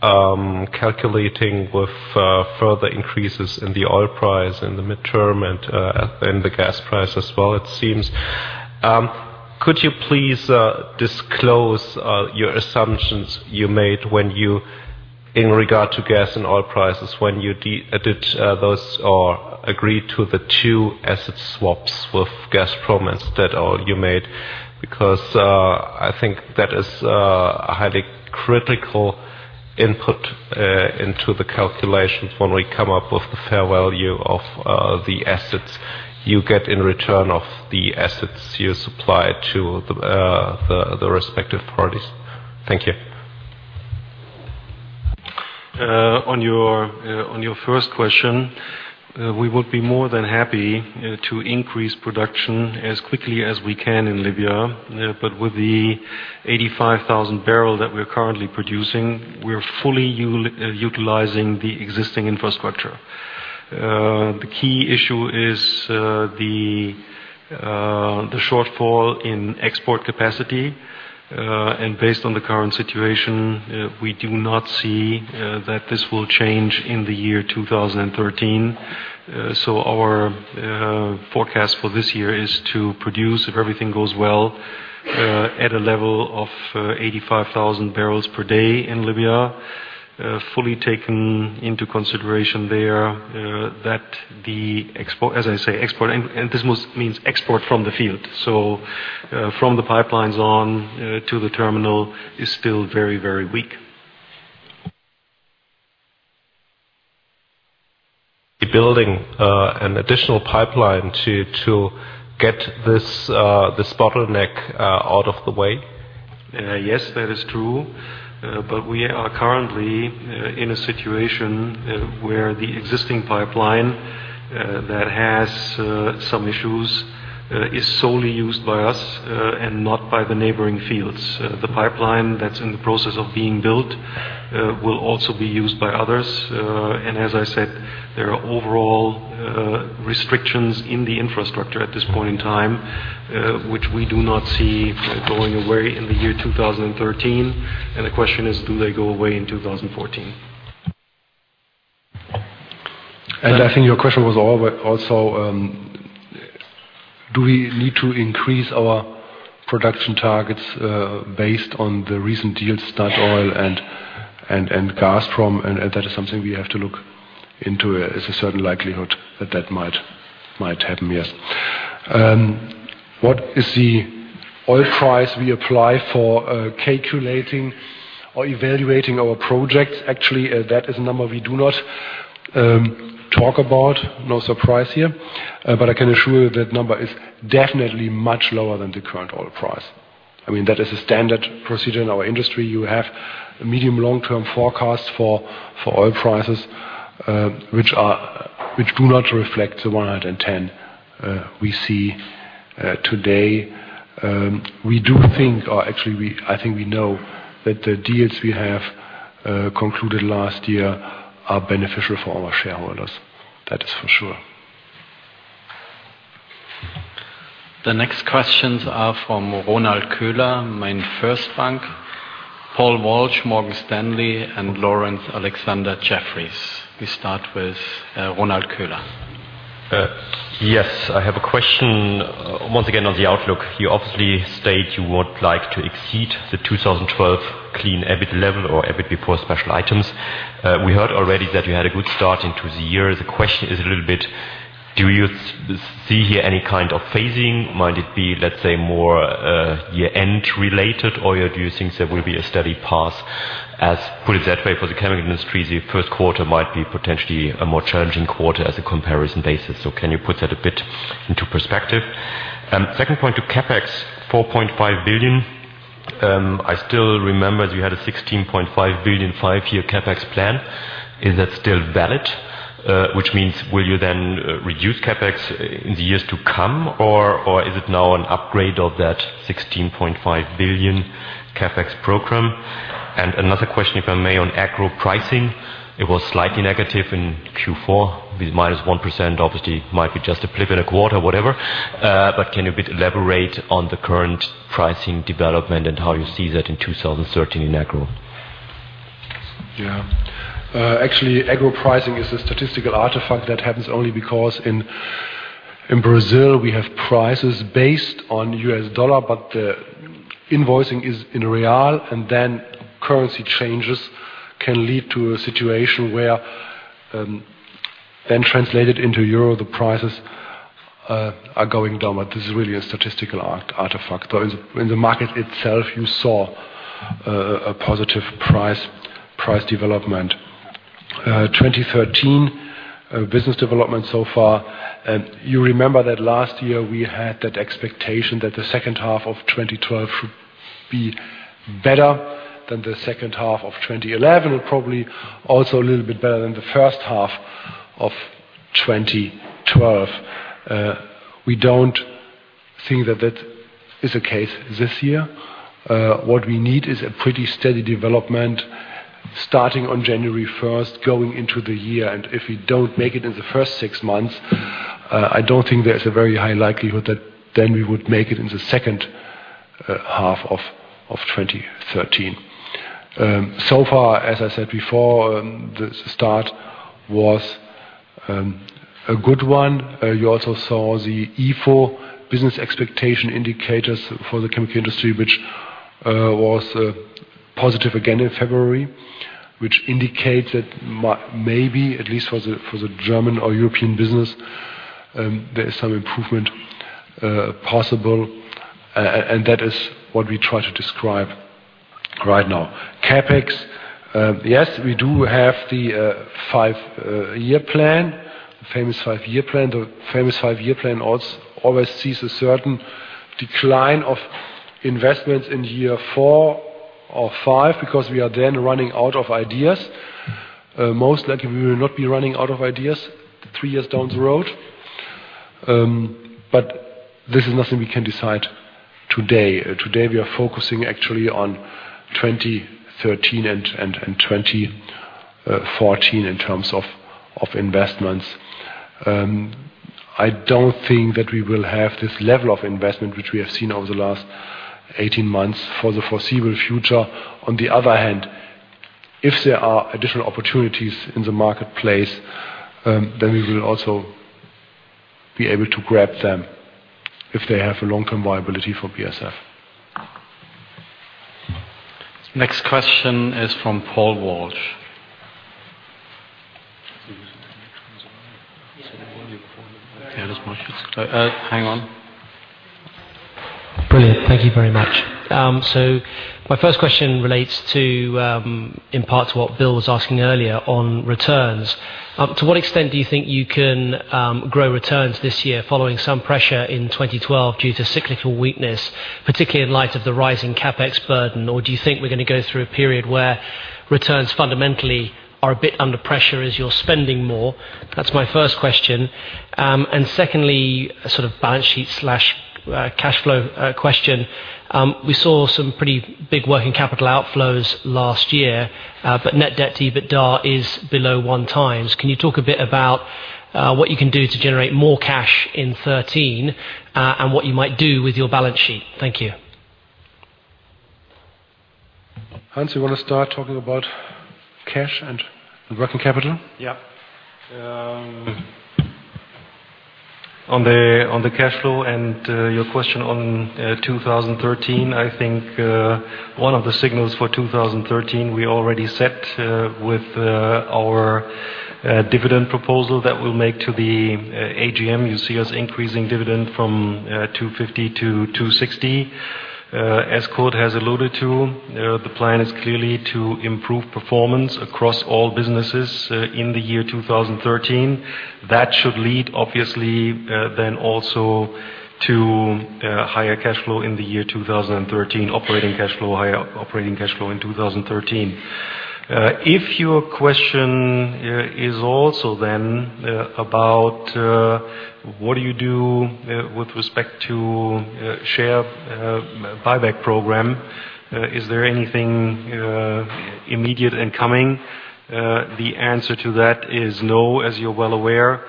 calculating with further increases in the oil price in the medium term and the gas price as well, it seems. Could you please disclose your assumptions you made when you did those or agreed to the two asset swaps with Gazprom and Statoil? Because I think that is a highly critical input into the calculations when we come up with the fair value of the assets you get in return for the assets you supply to the respective parties. Thank you. On your first question, we would be more than happy to increase production as quickly as we can in Libya. But with the 85,000 barrels that we're currently producing, we're fully utilizing the existing infrastructure. The key issue is the shortfall in export capacity. Based on the current situation, we do not see that this will change in the year 2013. Our forecast for this year is to produce, if everything goes well, at a level of 85,000 barrels per day in Libya, fully taken into consideration there that the export and this means export from the field. From the pipelines on to the terminal is still very weak. Building an additional pipeline to get this bottleneck out of the way? Yes, that is true. We are currently in a situation where the existing pipeline that has some issues is solely used by us and not by the neighboring fields. The pipeline that's in the process of being built will also be used by others. As I said, there are overall restrictions in the infrastructure at this point in time, which we do not see going away in the year 2013. The question is, do they go away in 2014? I think your question was also, do we need to increase our production targets based on the recent deals, Statoil and Gazprom? That is something we have to look into. There's a certain likelihood that that might happen, yes. What is the oil price we apply for calculating or evaluating our projects? Actually, that is a number we do not talk about. No surprise here, but I can assure you that number is definitely much lower than the current oil price. I mean, that is a standard procedure in our industry. You have medium, long-term forecasts for oil prices, which do not reflect the $110 we see today. I think we know that the deals we have concluded last year are beneficial for our shareholders. That is for sure. The next questions are from Ronald Köhler, MainFirst Bank, Paul Walsh, Morgan Stanley, and Laurence Alexander, Jefferies. We start with Ronald Köhler. I have a question once again on the outlook. You obviously state you would like to exceed the 2012 clean EBIT level or EBIT before special items. We heard already that you had a good start into the year. The question is a little bit, do you see here any kind of phasing? Might it be, let's say, more year-end related? Or do you think there will be a steady path, for the chemical industry, the Q1 might be potentially a more challenging quarter as a comparison basis. Can you put that a bit into perspective? Second point to CapEx, 4.5 billion. I still remember you had a 16.5 billion five-year CapEx plan. Is that still valid? Which means, will you then reduce CapEx in the years to come, or is it now an upgrade of that 16.5 billion CapEx program? Another question, if I may, on Agro pricing. It was slightly negative in Q4 with -1%. Obviously, it might be just a blip in a quarter, whatever. Can you elaborate on the current pricing development and how you see that in 2013 in Agro? Yeah. Actually, Agro pricing is a statistical artifact that happens only because in Brazil, we have prices based on U.S. dollar, but the invoicing is in real, and then currency changes can lead to a situation where then translated into euro, the prices are going down. This is really a statistical artifact. Though in the market itself, you saw a positive price development. 2013 business development so far, and you remember that last year we had that expectation that the second half of 2012 should be better than the second half of 2011, and probably also a little bit better than the first half of 2012. We don't think that is the case this year. What we need is a pretty steady development starting on January 1, going into the year. If we don't make it in the first six months, I don't think there's a very high likelihood that then we would make it in the second half of 2013. So far, as I said before, the start was a good one. You also saw the IFO business expectation indicators for the chemical industry, which was positive again in February, which indicates that maybe at least for the German or European business, there is some improvement possible, and that is what we try to describe right now. CapEx, yes, we do have the five-year plan, the famous five-year plan. The famous five-year plan always sees a certain decline of investments in year four or five because we are then running out of ideas. Most likely, we will not be running out of ideas three years down the road. This is nothing we can decide today. Today, we are focusing actually on 2013 and 2014 in terms of investments. I don't think that we will have this level of investment which we have seen over the last 18 months for the foreseeable future. On the other hand, if there are additional opportunities in the marketplace, then we will also be able to grab them if they have a long-term viability for BASF. Next question is from Paul Walsh. Hang on. Brilliant. Thank you very much. My first question relates to, in part to what Bill was asking earlier on returns. To what extent do you think you can grow returns this year following some pressure in 2012 due to cyclical weakness, particularly in light of the rising CapEx burden? Or do you think we're going to go through a period where returns fundamentally are a bit under pressure as you're spending more? That's my first question. Secondly, a sort of balance sheet/cash flow question. We saw some pretty big working capital outflows last year, but net debt to EBITDA is below 1x. Can you talk a bit about what you can do to generate more cash in 2013, and what you might do with your balance sheet? Thank you. Hans, you want to start talking about cash and working capital? On the cash flow and your question on 2013, I think one of the signals for 2013 we already set with our dividend proposal that we'll make to the AGM. You see us increasing dividend from 2.50 to 2.60. As Kurt has alluded to, the plan is clearly to improve performance across all businesses in the year 2013. That should lead, obviously, then also to higher operating cash flow in 2013. If your question is also about what you do with respect to share buyback program, is there anything immediate and coming? The answer to that is no, as you're well aware.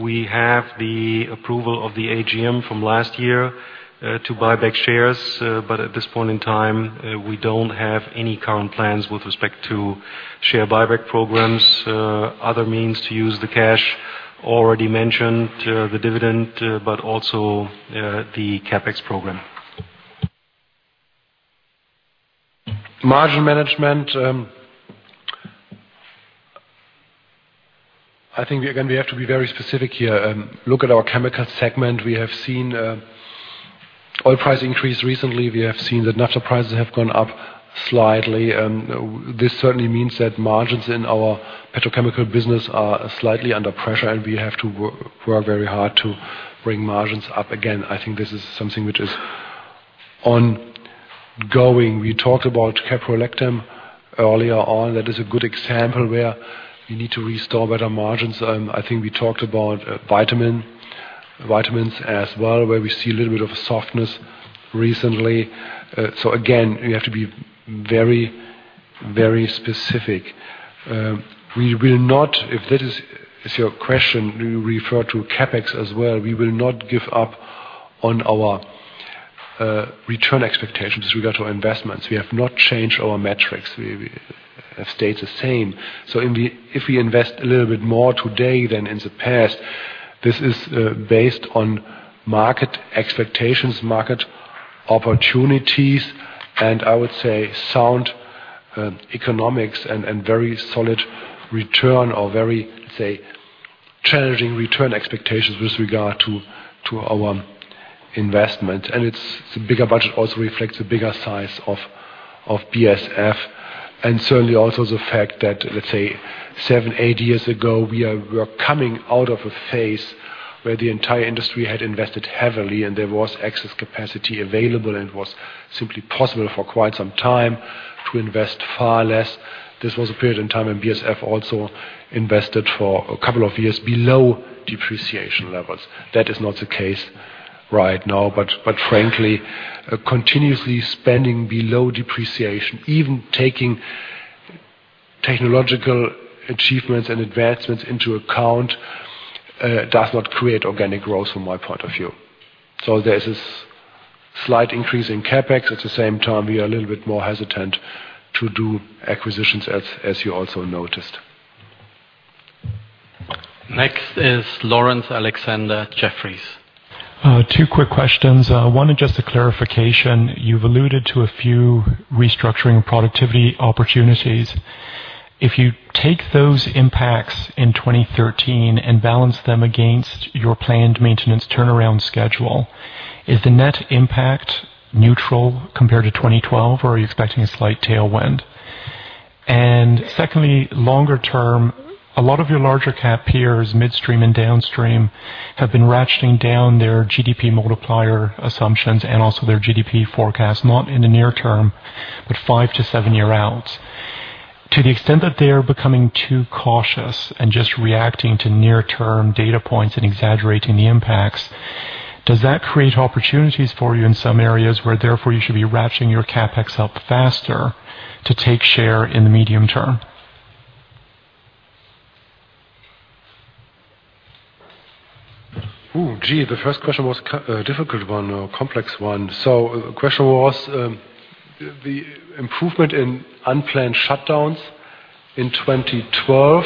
We have the approval of the AGM from last year to buy back shares. At this point in time, we don't have any current plans with respect to share buyback programs. Other means to use the cash already mentioned, the dividend, but also the CapEx program. Margin management, I think, again, we have to be very specific here. Look at our chemical segment. We have seen oil price increase recently. We have seen that natural prices have gone up slightly, and this certainly means that margins in our petrochemical business are slightly under pressure, and we have to work very hard to bring margins up again. I think this is something which is ongoing. We talked about Caprolactam earlier on. That is a good example where you need to restore better margins. I think we talked about vitamins as well, where we see a little bit of softness recently. Again, we have to be very specific. We will not. If that is your question, do you refer to CapEx as well? We will not give up on our return expectations with regard to our investments. We have not changed our metrics. We have stayed the same. If we invest a little bit more today than in the past, this is based on market expectations, market opportunities, and I would say sound economics and very solid return or very challenging return expectations with regard to our investment. The bigger budget also reflects the bigger size of BASF. Certainly also the fact that, let's say, seven, eight years ago, we were coming out of a phase where the entire industry had invested heavily and there was excess capacity available, and it was simply possible for quite some time to invest far less. This was a period in time when BASF also invested for a couple of years below depreciation levels. That is not the case right now. Frankly, continuously spending below depreciation, even taking technological achievements and advancements into account, does not create organic growth from my point of view. There is this slight increase in CapEx. At the same time, we are a little bit more hesitant to do acquisitions, as you also noticed. Next is Laurence Alexander, Jefferies. Two quick questions. One is just a clarification. You've alluded to a few restructuring productivity opportunities. If you take those impacts in 2013 and balance them against your planned maintenance turnaround schedule, is the net impact neutral compared to 2012, or are you expecting a slight tailwind? Secondly, longer-term, a lot of your larger cap peers, midstream and downstream, have been ratcheting down their GDP multiplier assumptions and also their GDP forecast, not in the near term, but 5-7 years out. To the extent that they are becoming too cautious and just reacting to near-term data points and exaggerating the impacts, does that create opportunities for you in some areas where therefore you should be ratcheting your CapEx up faster to take share in the medium term? Oh, gee, the first question was a difficult one or a complex one. The question was, the improvement in unplanned shutdowns in 2012,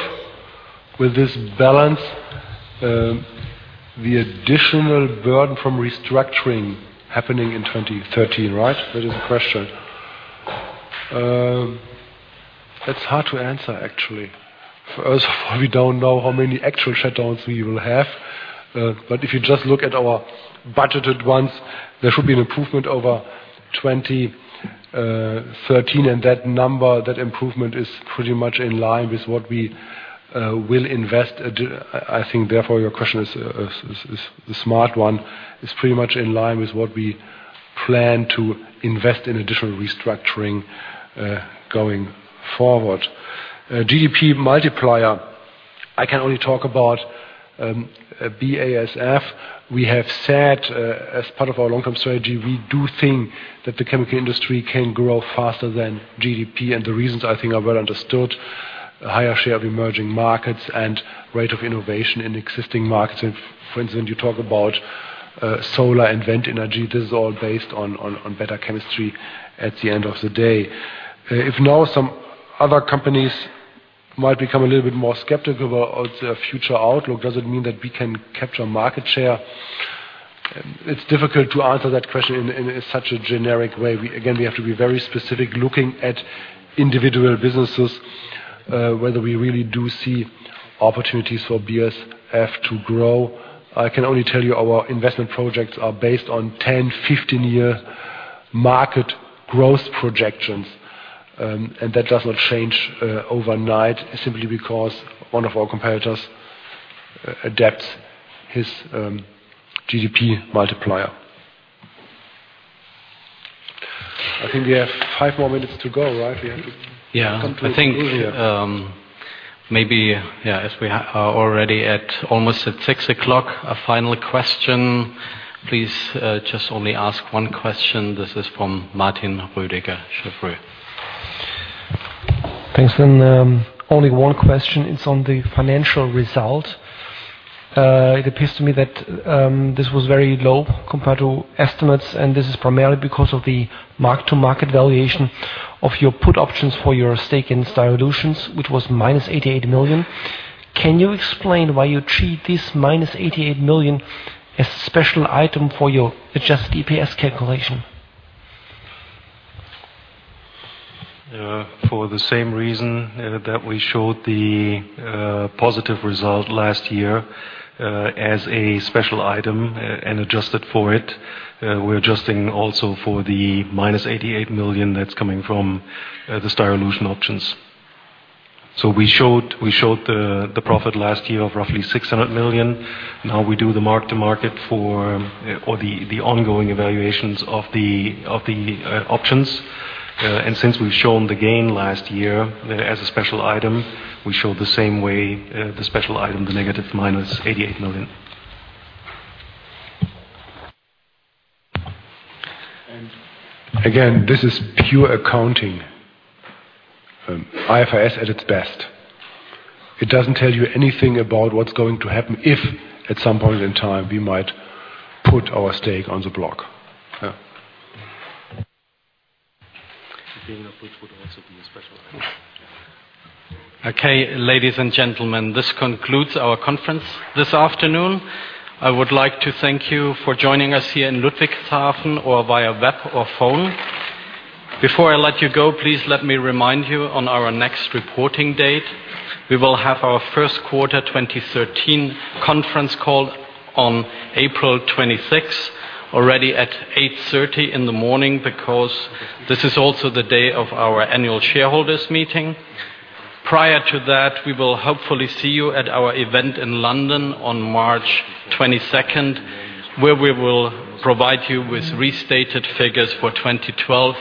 will this balance the additional burden from restructuring happening in 2013, right? That is the question. That's hard to answer, actually. First, we don't know how many actual shutdowns we will have. But if you just look at our budgeted ones, there should be an improvement over 2013, and that number, that improvement is pretty much in line with what we will invest. I think therefore your question is a smart one. It's pretty much in line with what we plan to invest in additional restructuring going forward. GDP multiplier, I can only talk about BASF. We have said, as part of our long-term strategy, we do think that the chemical industry can grow faster than GDP, and the reasons I think are well understood. Higher share of emerging markets and rate of innovation in existing markets. For instance, you talk about solar and wind energy. This is all based on better chemistry at the end of the day. If now some other companies might become a little bit more skeptical about the future outlook, does it mean that we can capture market share? It's difficult to answer that question in such a generic way. We again, we have to be very specific looking at individual businesses, whether we really do see opportunities for BASF to grow. I can only tell you our investment projects are based on 10- and 15-year market growth projections, and that does not change overnight simply because one of our competitors adapts his GDP multiplier. I think we have five more minutes to go, right? We have to- Yeah. Come to an end here. I think, as we are already almost at six o'clock, a final question, please, just only ask one question. This is from Martin Rüdiger, Cheuvreux. Thanks. Only one question. It's on the financial result. It appears to me that this was very low compared to estimates, and this is primarily because of the mark-to-market valuation of your put options for your stake in Styrolution, which was minus 88 million. Can you explain why you treat this minus 88 million as a special item for your adjusted EPS calculation? For the same reason that we showed the positive result last year as a special item and adjusted for it, we're adjusting also for the minus 88 million that's coming from the Styrolution options. We showed the profit last year of roughly 600 million. Now we do the mark to market or the ongoing evaluations of the options. Since we've shown the gain last year as a special item, we show the same way the special item, the negative minus 88 million. Again, this is pure accounting, IFRS at its best. It doesn't tell you anything about what's going to happen if at some point in time we might put our stake on the block. Yeah. Being a put would also be a special item. Okay, ladies and gentlemen, this concludes our conference this afternoon. I would like to thank you for joining us here in Ludwigshafen or via web or phone. Before I let you go, please let me remind you on our next reporting date. We will have our Q1 2013 conference call on April 26, already at 8:30 A.M. because this is also the day of our annual shareholders meeting. Prior to that, we will hopefully see you at our event in London on March 22, where we will provide you with restated figures for 2012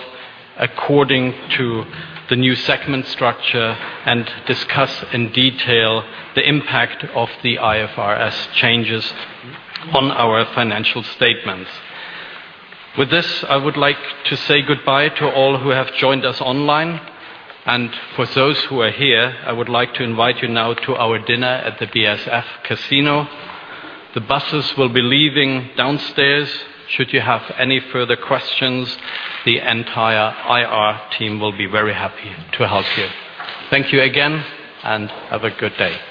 according to the new segment structure and discuss in detail the impact of the IFRS changes on our financial statements. With this, I would like to say goodbye to all who have joined us online. For those who are here, I would like to invite you now to our dinner at the BASF Casino. The buses will be leaving downstairs. Should you have any further questions, the entire IR team will be very happy to help you. Thank you again, and have a good day.